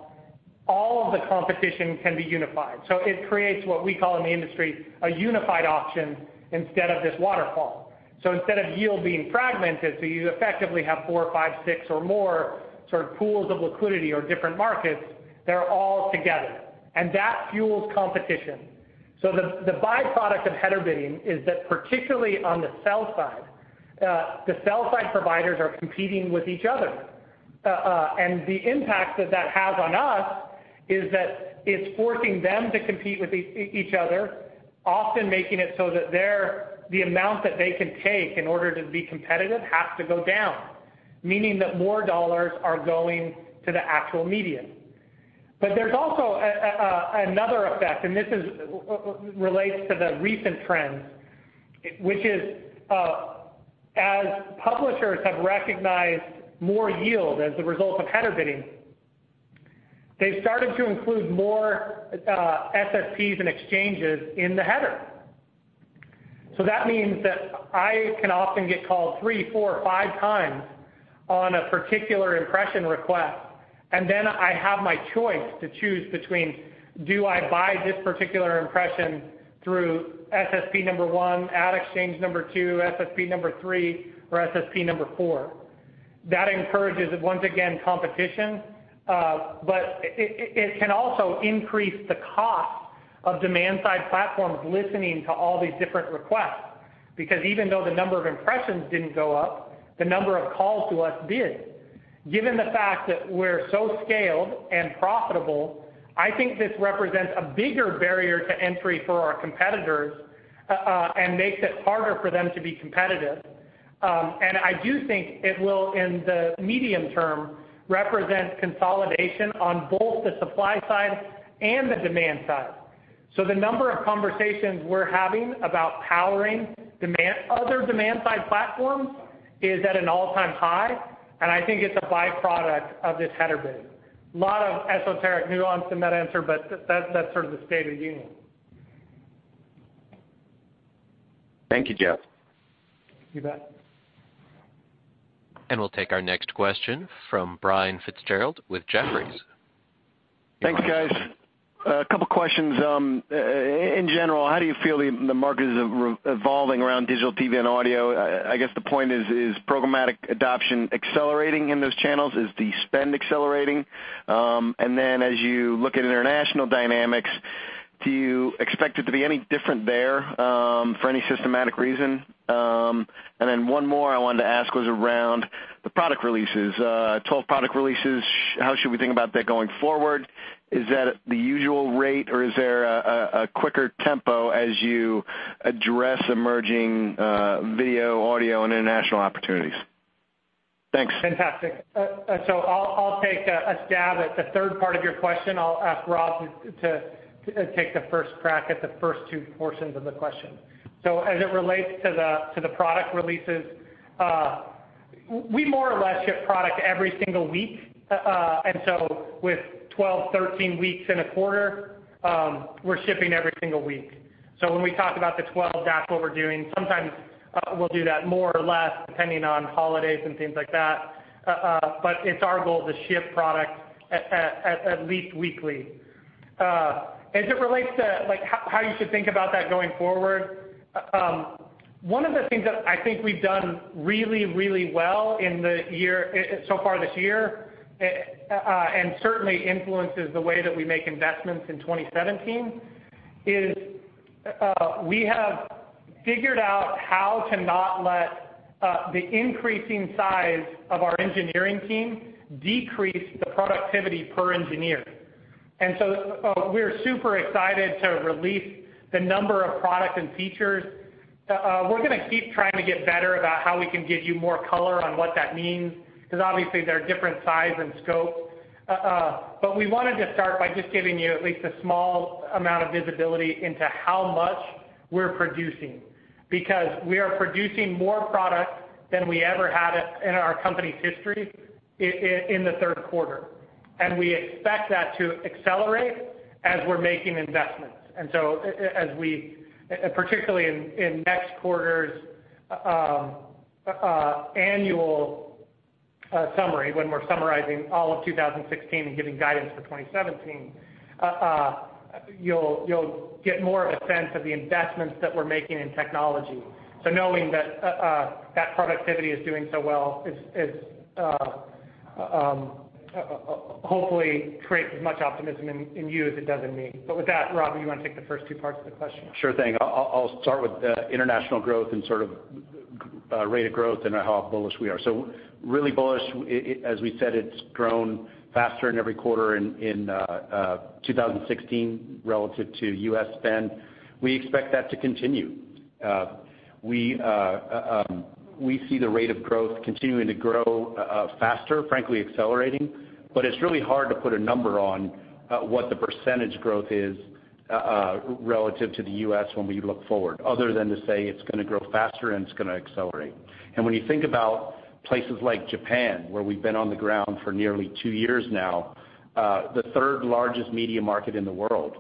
all of the competition can be unified. It creates what we call in the industry, a unified auction instead of this waterfall. Instead of yield being fragmented, so you effectively have four, five, six, or more sort of pools of liquidity or different markets, they're all together. That fuels competition. The byproduct of header bidding is that particularly on the sell side, the sell side providers are competing with each other. The impact that that has on us is that it's forcing them to compete with each other, often making it so that the amount that they can take in order to be competitive has to go down, meaning that more dollars are going to the actual media. There's also another effect, and this relates to the recent trends, which is, as publishers have recognized more yield as a result of header bidding, they've started to include more SSPs and exchanges in the header. That means that I can often get called three, four, five times on a particular impression request, and then I have my choice to choose between, do I buy this particular impression through SSP number one, ad exchange number two, SSP number three, or SSP number four? That encourages, once again, competition, but it can also increase the cost of demand-side platforms listening to all these different requests. Even though the number of impressions didn't go up, the number of calls to us did. Given the fact that we're so scaled and profitable, I think this represents a bigger barrier to entry for our competitors, and makes it harder for them to be competitive. I do think it will, in the medium term, represent consolidation on both the supply side and the demand side. The number of conversations we're having about powering other demand-side platforms is at an all-time high, and I think it's a byproduct of this header bid. Lot of esoteric nuance in that answer, but that's sort of the state of union. Thank you, Jeff. You bet. We'll take our next question from Brian Fitzgerald with Jefferies. Thanks, guys. A couple of questions. In general, how do you feel the market is evolving around digital TV and audio? I guess the point is programmatic adoption accelerating in those channels? Is the spend accelerating? As you look at international dynamics, do you expect it to be any different there, for any systematic reason? One more I wanted to ask was around the product releases. 12 product releases, how should we think about that going forward? Is that the usual rate, or is there a quicker tempo as you address emerging video, audio, and international opportunities? Thanks. Fantastic. I'll take a stab at the third part of your question. I'll ask Rob to take the first crack at the first two portions of the question. As it relates to the product releases, we more or less ship product every single week. With 12, 13 weeks in a quarter, we're shipping every single week. When we talk about the 12, that's what we're doing. Sometimes we'll do that more or less, depending on holidays and things like that. It's our goal to ship product at least weekly. As it relates to how you should think about that going forward, one of the things that I think we've done really well so far this year, and certainly influences the way that we make investments in 2017, is we have figured out how to not let the increasing size of our engineering team decrease the productivity per engineer. We're super excited to release the number of product and features. We're going to keep trying to get better about how we can give you more color on what that means, because obviously they're different size and scope. We wanted to start by just giving you at least a small amount of visibility into how much we're producing. Because we are producing more product than we ever have in our company's history in the third quarter. We expect that to accelerate as we're making investments. Particularly in next quarter's annual summary, when we're summarizing all of 2016 and giving guidance for 2017, you'll get more of a sense of the investments that we're making in technology. Knowing that that productivity is doing so well, hopefully creates as much optimism in you as it does in me. With that, Rob, you want to take the first two parts of the question? Sure thing. I'll start with international growth and sort of rate of growth and how bullish we are. Really bullish. As we said, it's grown faster in every quarter in 2016 relative to U.S. spend. We expect that to continue. We see the rate of growth continuing to grow faster, frankly accelerating, but it's really hard to put a number on what the % growth is relative to the U.S. when we look forward, other than to say it's going to grow faster and it's going to accelerate. When you think about places like Japan, where we've been on the ground for nearly two years now, the third largest media market in the world,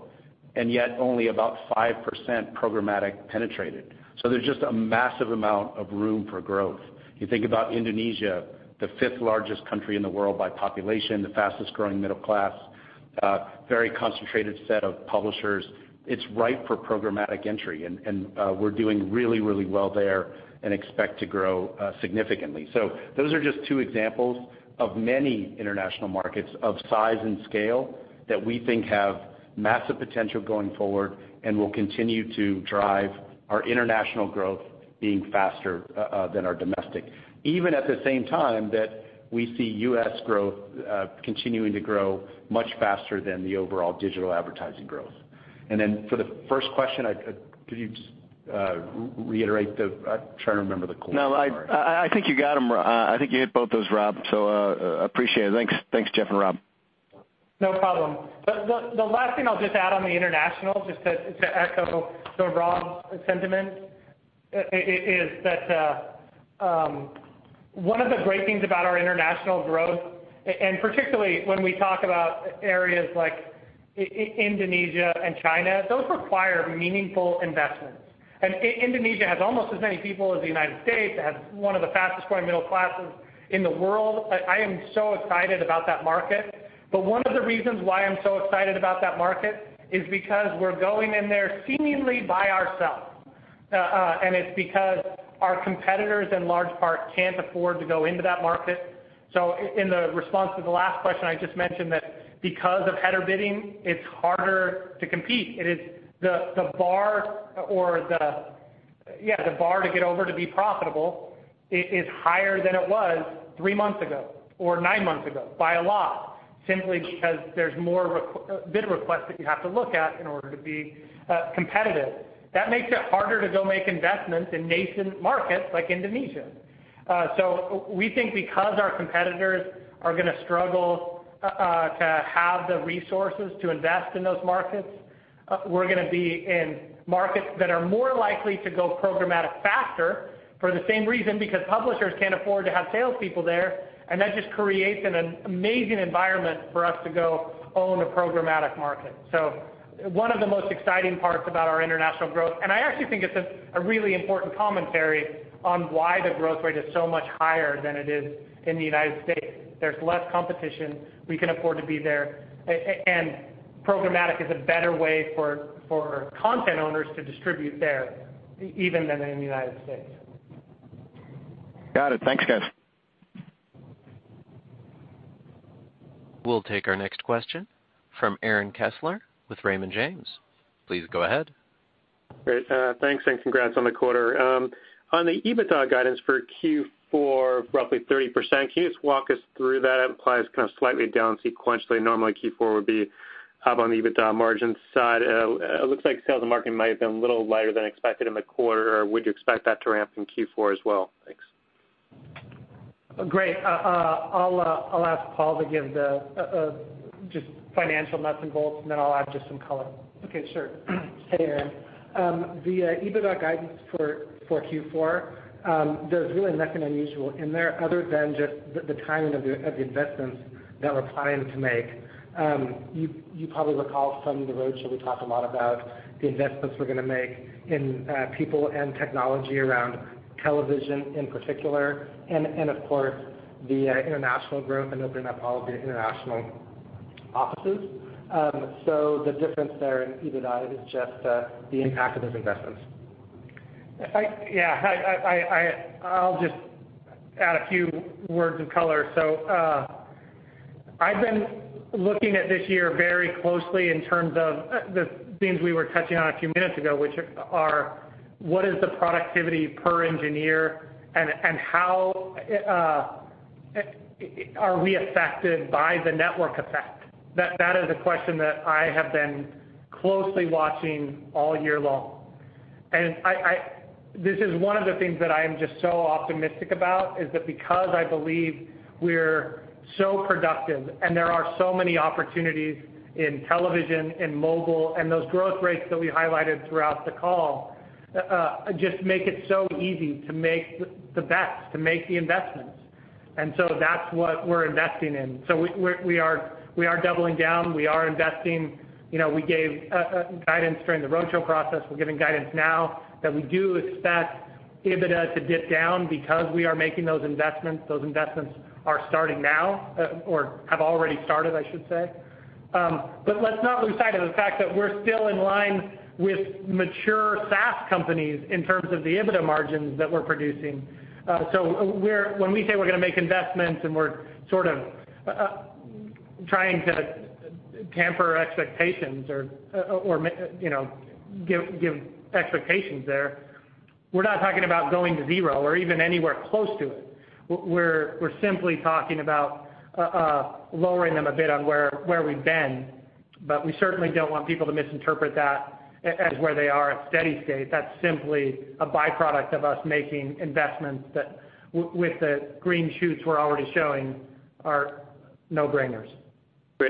and yet only about 5% programmatic penetrated. There's just a massive amount of room for growth. You think about Indonesia, the fifth largest country in the world by population, the fastest growing middle class A very concentrated set of publishers. It's ripe for programmatic entry, we're doing really well there and expect to grow significantly. Those are just two examples of many international markets of size and scale that we think have massive potential going forward and will continue to drive our international growth being faster than our domestic. Even at the same time that we see U.S. growth continuing to grow much faster than the overall digital advertising growth. For the first question, could you just reiterate? I'm trying to remember the quote. No, I think you got them. I think you hit both those, Rob. Appreciate it. Thanks, Jeff and Rob. No problem. The last thing I'll just add on the international, just to echo Rob Perdue's sentiment, is that one of the great things about our international growth, and particularly when we talk about areas like Indonesia and China, those require meaningful investments. Indonesia has almost as many people as the U.S., it has one of the fastest growing middle classes in the world. I am so excited about that market. One of the reasons why I'm so excited about that market is because we're going in there seemingly by ourselves. It's because our competitors, in large part, can't afford to go into that market. In the response to the last question, I just mentioned that because of header bidding, it's harder to compete. The bar to get over to be profitable is higher than it was three months ago, or nine months ago, by a lot, simply because there's more bid requests that you have to look at in order to be competitive. That makes it harder to go make investments in nascent markets like Indonesia. We think because our competitors are going to struggle to have the resources to invest in those markets, we're going to be in markets that are more likely to go programmatic faster for the same reason, because publishers can't afford to have salespeople there, and that just creates an amazing environment for us to go own the programmatic market. One of the most exciting parts about our international growth, and I actually think it's a really important commentary on why the growth rate is so much higher than it is in the U.S. There's less competition. We can afford to be there. Programmatic is a better way for content owners to distribute there, even than in the U.S. Got it. Thanks, guys. We'll take our next question from Aaron Kessler with Raymond James. Please go ahead. Great. Thanks, and congrats on the quarter. On the EBITDA guidance for Q4, roughly 30%, can you just walk us through that? It implies kind of slightly down sequentially. Normally, Q4 would be up on the EBITDA margin side. It looks like sales and marketing might have been a little lighter than expected in the quarter, or would you expect that to ramp in Q4 as well? Thanks. Great. I'll ask Paul to give the financial nuts and bolts, and then I'll add just some color. Okay, sure. Hey, Aaron. The EBITDA guidance for Q4, there's really nothing unusual in there other than just the timing of the investments that we're planning to make. You probably recall from the roadshow, we talked a lot about the investments we're going to make in people and technology around television in particular, and of course, the international growth and opening up all of the international offices. The difference there in EBITDA is just the impact of those investments. Yeah. I'll just add a few words of color. I've been looking at this year very closely in terms of the themes we were touching on a few minutes ago, which are, what is the productivity per engineer and how are we affected by the network effect? That is a question that I have been closely watching all year long. This is one of the things that I am just so optimistic about is that because I believe we're so productive and there are so many opportunities in television, in mobile, and those growth rates that we highlighted throughout the call, just make it so easy to make the bets, to make the investments. That's what we're investing in. We are doubling down. We are investing. We gave guidance during the roadshow process. We're giving guidance now that we do expect EBITDA to dip down because we are making those investments. Those investments are starting now or have already started, I should say. Let's not lose sight of the fact that we're still in line with mature SaaS companies in terms of the EBITDA margins that we're producing. When we say we're going to make investments and we're sort of trying to tamper expectations or give expectations there, we're not talking about going to zero or even anywhere close to it. We're simply talking about lowering them a bit on where we've been. We certainly don't want people to misinterpret that as where they are at steady state. That's simply a byproduct of us making investments that with the green shoots we're already showing are no-brainers.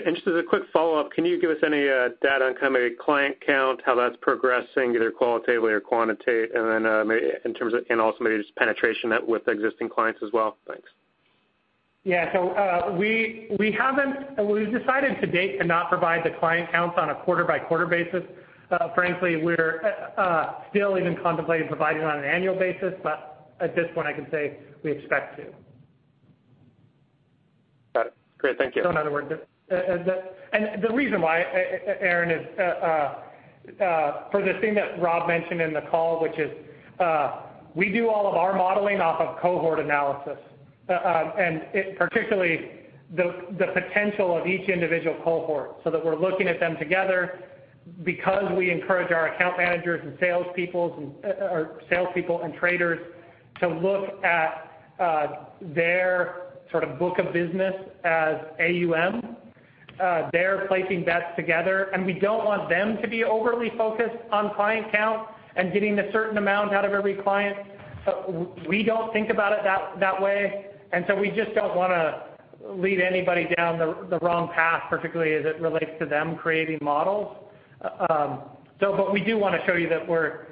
Great. Just as a quick follow-up, can you give us any data on kind of a client count, how that's progressing, either qualitatively or quantitative, and then maybe in terms of, and also maybe just penetration with existing clients as well? Thanks. Yeah. We've decided to date to not provide the client counts on a quarter-by-quarter basis. Frankly, we're still even contemplating providing it on an annual basis, at this point, I can say we expect to. Got it. Great. Thank you. In other words, The reason why, Aaron, is for the thing that Rob mentioned in the call, which is we do all of our modeling off of cohort analysis, and particularly the potential of each individual cohort, so that we're looking at them together because we encourage our account managers and salespeople, and traders to look at their sort of book of business as AUM. We don't want them to be overly focused on client count and getting a certain amount out of every client. We don't think about it that way, We just don't want to lead anybody down the wrong path, particularly as it relates to them creating models. We do want to show you that we're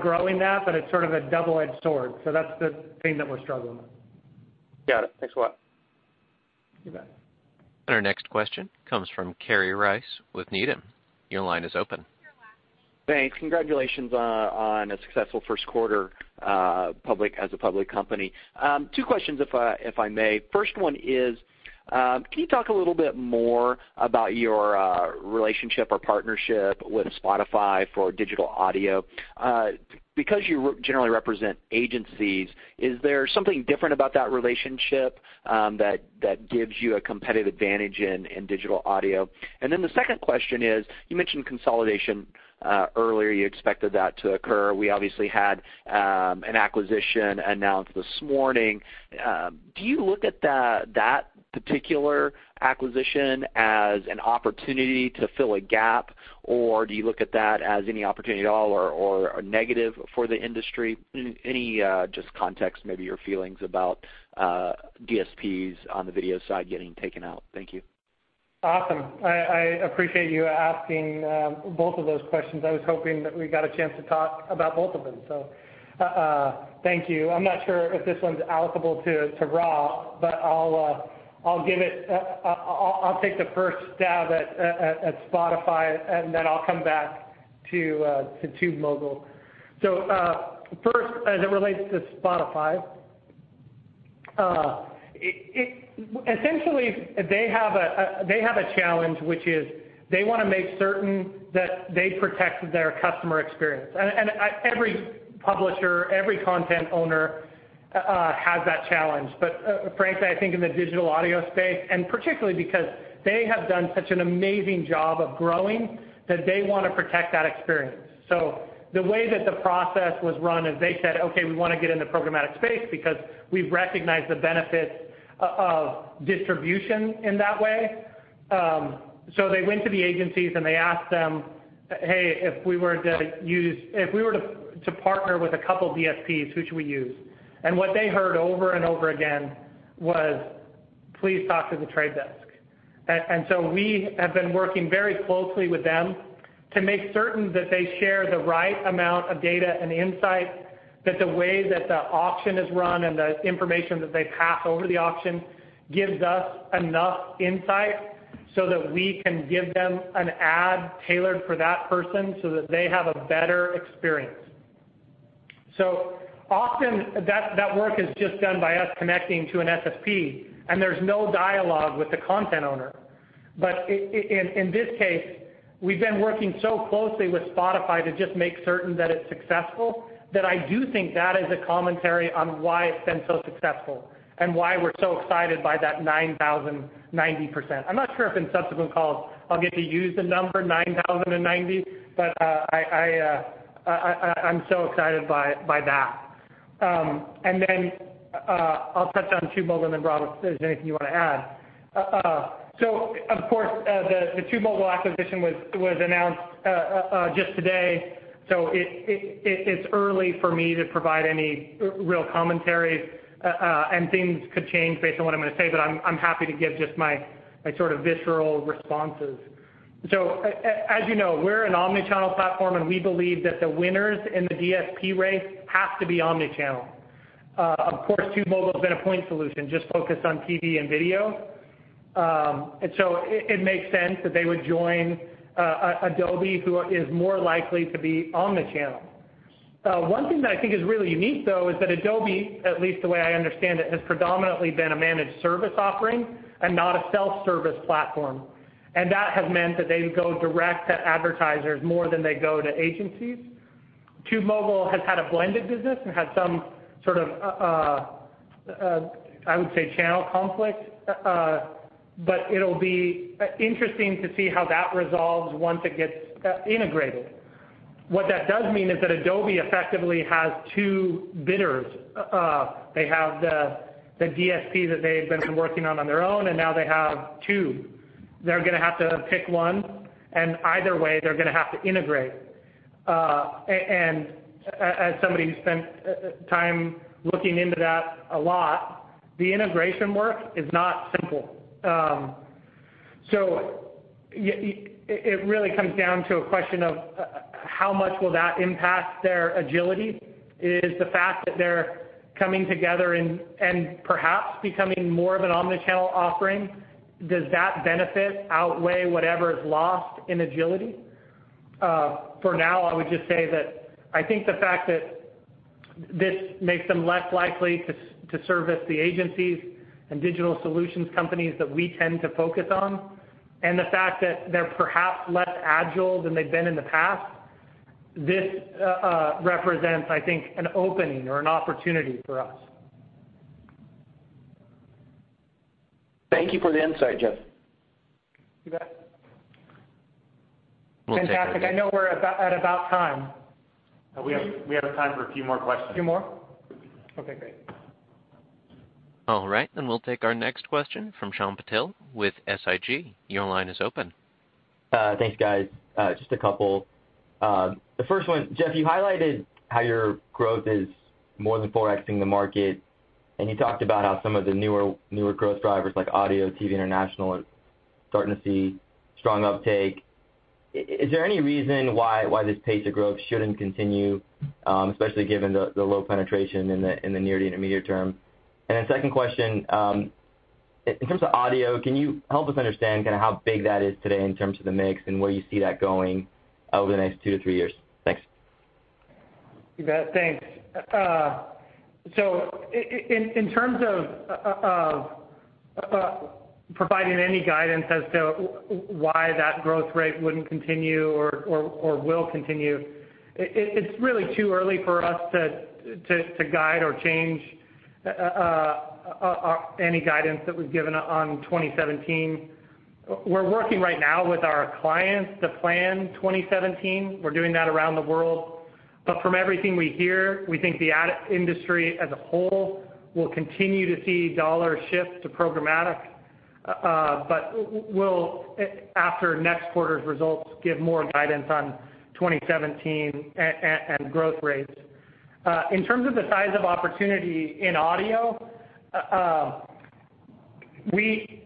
growing that, but it's sort of a double-edged sword. That's the thing that we're struggling with. Got it. Thanks a lot. You bet. Our next question comes from Kerry Rice with Needham. Your line is open. Thanks. Congratulations on a successful first quarter as a public company. Two questions if I may. First one is, can you talk a little bit more about your relationship or partnership with Spotify for digital audio? Because you generally represent agencies, is there something different about that relationship that gives you a competitive advantage in digital audio? The second question is, you mentioned consolidation. Earlier you expected that to occur. We obviously had an acquisition announced this morning. Do you look at that particular acquisition as an opportunity to fill a gap, or do you look at that as any opportunity at all or a negative for the industry? Any just context, maybe your feelings about DSPs on the video side getting taken out. Thank you. Awesome. I appreciate you asking both of those questions. I was hoping that we got a chance to talk about both of them, so thank you. I'm not sure if this one's allocable to Rob, but I'll take the first stab at Spotify, and then I'll come back to TubeMogul. First, as it relates to Spotify, essentially they have a challenge, which is they want to make certain that they protect their customer experience. Every publisher, every content owner has that challenge. Frankly, I think in the digital audio space, and particularly because they have done such an amazing job of growing, that they want to protect that experience. The way that the process was run is they said, "Okay, we want to get in the programmatic space because we recognize the benefits of distribution in that way." They went to the agencies, and they asked them, "Hey, if we were to partner with a couple DSPs, who should we use?" What they heard over and over again was, "Please talk to The Trade Desk." We have been working very closely with them to make certain that they share the right amount of data and insight, that the way that the auction is run and the information that they pass over the auction gives us enough insight so that we can give them an ad tailored for that person so that they have a better experience. Often that work is just done by us connecting to an SSP, and there's no dialogue with the content owner. In this case, we've been working so closely with Spotify to just make certain that it's successful, that I do think that is a commentary on why it's been so successful and why we're so excited by that 9,090%. I'm not sure if in subsequent calls I'll get to use the number 9,090, but I'm so excited by that. Then I'll touch on TubeMogul, and then Rob, if there's anything you want to add. Of course, the TubeMogul acquisition was announced just today, it's early for me to provide any real commentary, and things could change based on what I'm going to say, but I'm happy to give just my sort of visceral responses. As you know, we're an omnichannel platform, and we believe that the winners in the DSP race have to be omnichannel. Of course, TubeMogul's been a point solution, just focused on TV and video. It makes sense that they would join Adobe, who is more likely to be omnichannel. One thing that I think is really unique, though, is that Adobe, at least the way I understand it, has predominantly been a managed service offering and not a self-service platform. That has meant that they go direct to advertisers more than they go to agencies. TubeMogul has had a blended business and had some sort of, I would say, channel conflict. It'll be interesting to see how that resolves once it gets integrated. What that does mean is that Adobe effectively has two bidders. They have the DSP that they've been working on on their own, and now they have two. They're going to have to pick one, and either way, they're going to have to integrate. As somebody who spent time looking into that a lot, the integration work is not simple. It really comes down to a question of how much will that impact their agility? Is the fact that they're coming together and perhaps becoming more of an omnichannel offering, does that benefit outweigh whatever is lost in agility? For now, I would just say that I think the fact that this makes them less likely to service the agencies and digital solutions companies that we tend to focus on, and the fact that they're perhaps less agile than they've been in the past, this represents, I think, an opening or an opportunity for us. Thank you for the insight, Jeff. You bet. Fantastic. I know we're at about time. We have time for a few more questions. Few more? Okay, great. All right, we'll take our next question from Shyam Patil with SIG. Your line is open. Thanks, guys. Just a couple. The first one, Jeff, you highlighted how your growth is more than 4X-ing the market, you talked about how some of the newer growth drivers like audio, TV, international are starting to see strong uptake. Is there any reason why this pace of growth shouldn't continue, especially given the low penetration in the near to intermediate term? Second question, in terms of audio, can you help us understand kind of how big that is today in terms of the mix and where you see that going over the next two to three years? Thanks. You bet. Thanks. In terms of providing any guidance as to why that growth rate wouldn't continue or will continue, it's really too early for us to guide or change any guidance that was given on 2017. We're working right now with our clients to plan 2017. We're doing that around the world. From everything we hear, we think the ad industry as a whole will continue to see dollars shift to programmatic. We'll, after next quarter's results, give more guidance on 2017 and growth rates. In terms of the size of opportunity in audio, we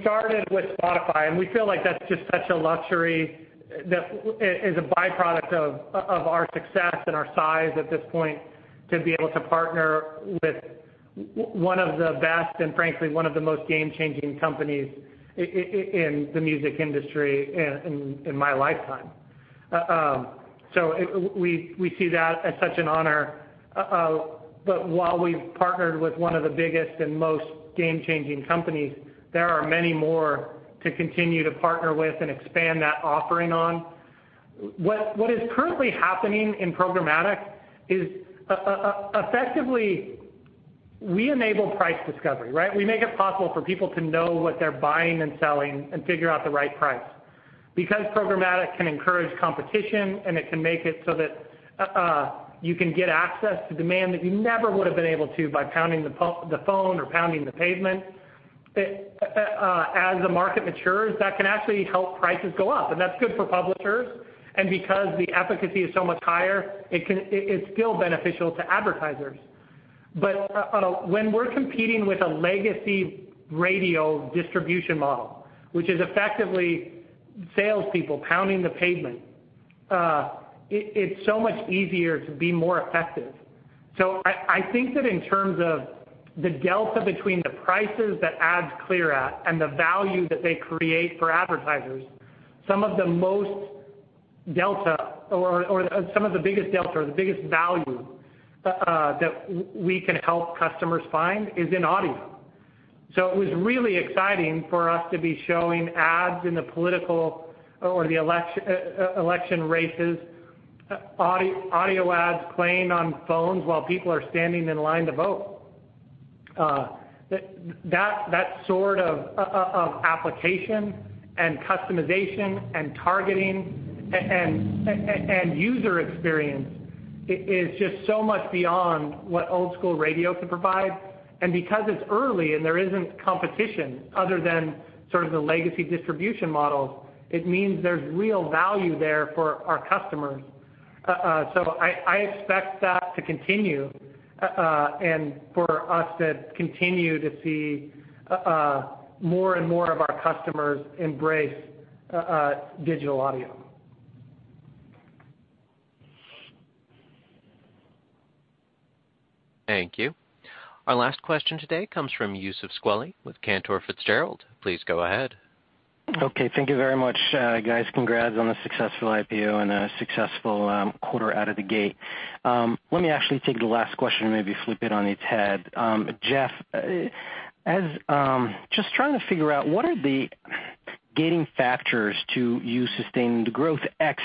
started with Spotify, and we feel like that's just such a luxury, that is a byproduct of our success and our size at this point, to be able to partner with one of the best and frankly one of the most game-changing companies in the music industry in my lifetime. We see that as such an honor. While we've partnered with one of the biggest and most game-changing companies, there are many more to continue to partner with and expand that offering on. What is currently happening in programmatic is effectively, we enable price discovery, right? We make it possible for people to know what they're buying and selling and figure out the right price. Programmatic can encourage competition and it can make it so that you can get access to demand that you never would have been able to by pounding the phone or pounding the pavement, as the market matures, that can actually help prices go up, and that's good for publishers. Because the efficacy is so much higher, it's still beneficial to advertisers. When we're competing with a legacy radio distribution model, which is effectively salespeople pounding the pavement, it's so much easier to be more effective. I think that in terms of the delta between the prices that ads clear at and the value that they create for advertisers, some of the most delta or some of the biggest delta or the biggest value that we can help customers find is in audio. It was really exciting for us to be showing ads in the political or the election races, audio ads playing on phones while people are standing in line to vote. That sort of application and customization and targeting and user experience is just so much beyond what old school radio can provide. Because it's early and there isn't competition other than sort of the legacy distribution models, it means there's real value there for our customers. I expect that to continue, and for us to continue to see more and more of our customers embrace digital audio. Thank you. Our last question today comes from Youssef Squali with Cantor Fitzgerald. Please go ahead. Okay. Thank you very much. Guys, congrats on the successful IPO and a successful quarter out of the gate. Let me actually take the last question and maybe flip it on its head. Jeff, just trying to figure out what are the gating factors to you sustaining the growth ex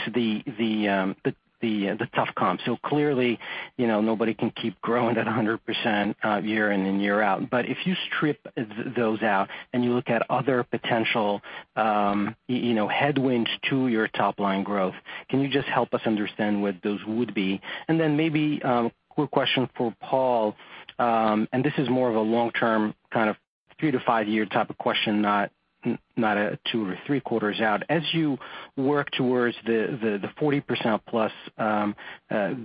the tough comp? Clearly, nobody can keep growing at 100% year in and year out. If you strip those out and you look at other potential headwinds to your top-line growth, can you just help us understand what those would be? Then maybe a quick question for Paul, and this is more of a long-term, kind of 3-5 year type of question, not a two or three quarters out. As you work towards the 40% plus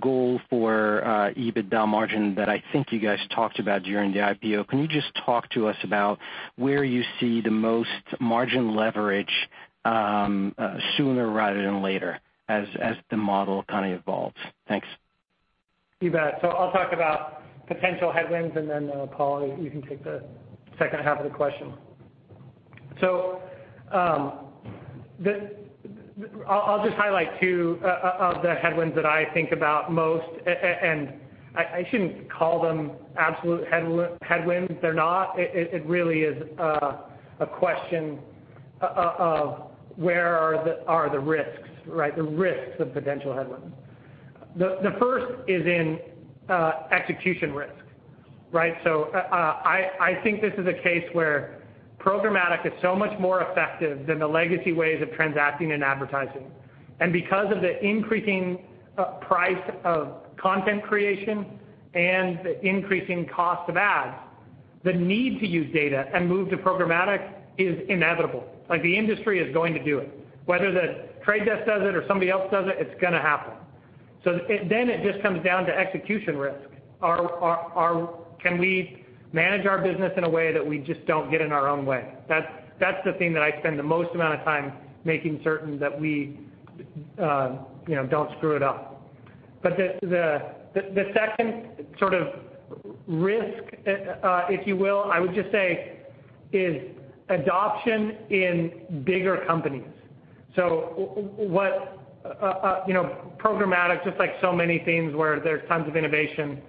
goal for EBITDA margin that I think you guys talked about during the IPO, can you just talk to us about where you see the most margin leverage sooner rather than later as the model kind of evolves? Thanks. You bet. I'll talk about potential headwinds, then, Paul, you can take the second half of the question. I'll just highlight two of the headwinds that I think about most, I shouldn't call them absolute headwinds. They're not. It really is a question of where are the risks, right? The risks of potential headwinds. The first is in execution risk, right? I think this is a case where programmatic is so much more effective than the legacy ways of transacting in advertising. Because of the increasing price of content creation and the increasing cost of ads, the need to use data and move to programmatic is inevitable. The industry is going to do it. Whether The Trade Desk does it or somebody else does it's going to happen. It just comes down to execution risk. Can we manage our business in a way that we just don't get in our own way? That's the thing that I spend the most amount of time making certain that we don't screw it up. The second sort of risk, if you will, I would just say, is adoption in bigger companies. Programmatic, just like so many things where there's tons of innovation,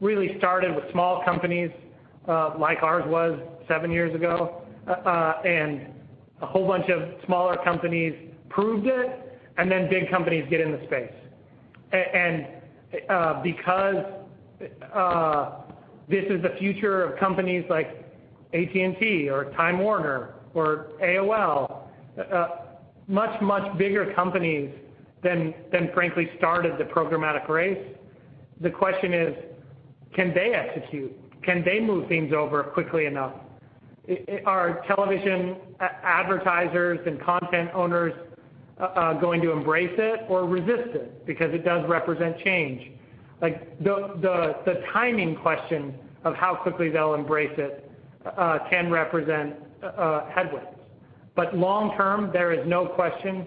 really started with small companies, like ours was seven years ago, a whole bunch of smaller companies proved it, then big companies get in the space. Because this is the future of companies like AT&T or Time Warner or AOL, much, much bigger companies than frankly started the programmatic race, the question is: can they execute? Can they move things over quickly enough? Are television advertisers and content owners going to embrace it or resist it? Because it does represent change. The timing question of how quickly they'll embrace it can represent headwinds. Long term, there is no question,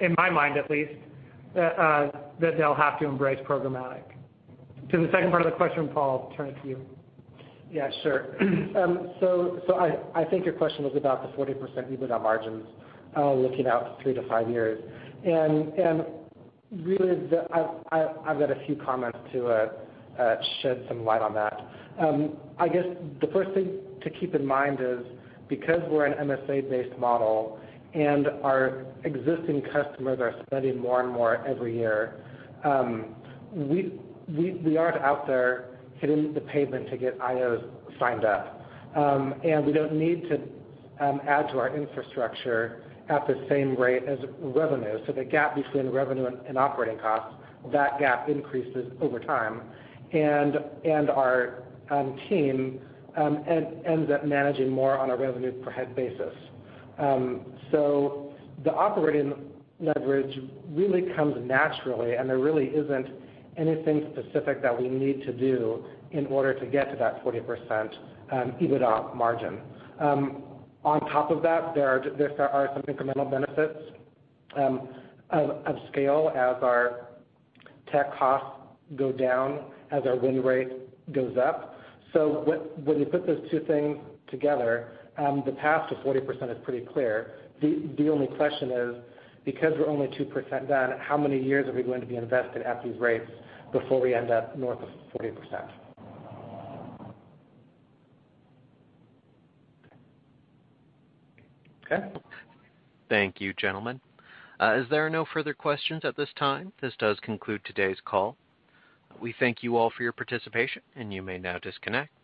in my mind at least, that they'll have to embrace programmatic. To the second part of the question, Paul, I'll turn it to you. Yeah, sure. I think your question was about the 40% EBITDA margins looking out three to five years. Really, I've got a few comments to shed some light on that. I guess the first thing to keep in mind is because we're an MSA-based model and our existing customers are spending more and more every year, we aren't out there hitting the pavement to get IOs signed up. We don't need to add to our infrastructure at the same rate as revenue. The gap between revenue and operating costs, that gap increases over time, and our team ends up managing more on a revenue per head basis. The operating leverage really comes naturally, and there really isn't anything specific that we need to do in order to get to that 40% EBITDA margin. On top of that, there are some incremental benefits of scale as our tech costs go down, as our win rate goes up. When you put those two things together, the path to 40% is pretty clear. The only question is, because we're only 2% down, how many years are we going to be invested at these rates before we end up north of 40%? Okay. Thank you, gentlemen. As there are no further questions at this time, this does conclude today's call. We thank you all for your participation, and you may now disconnect.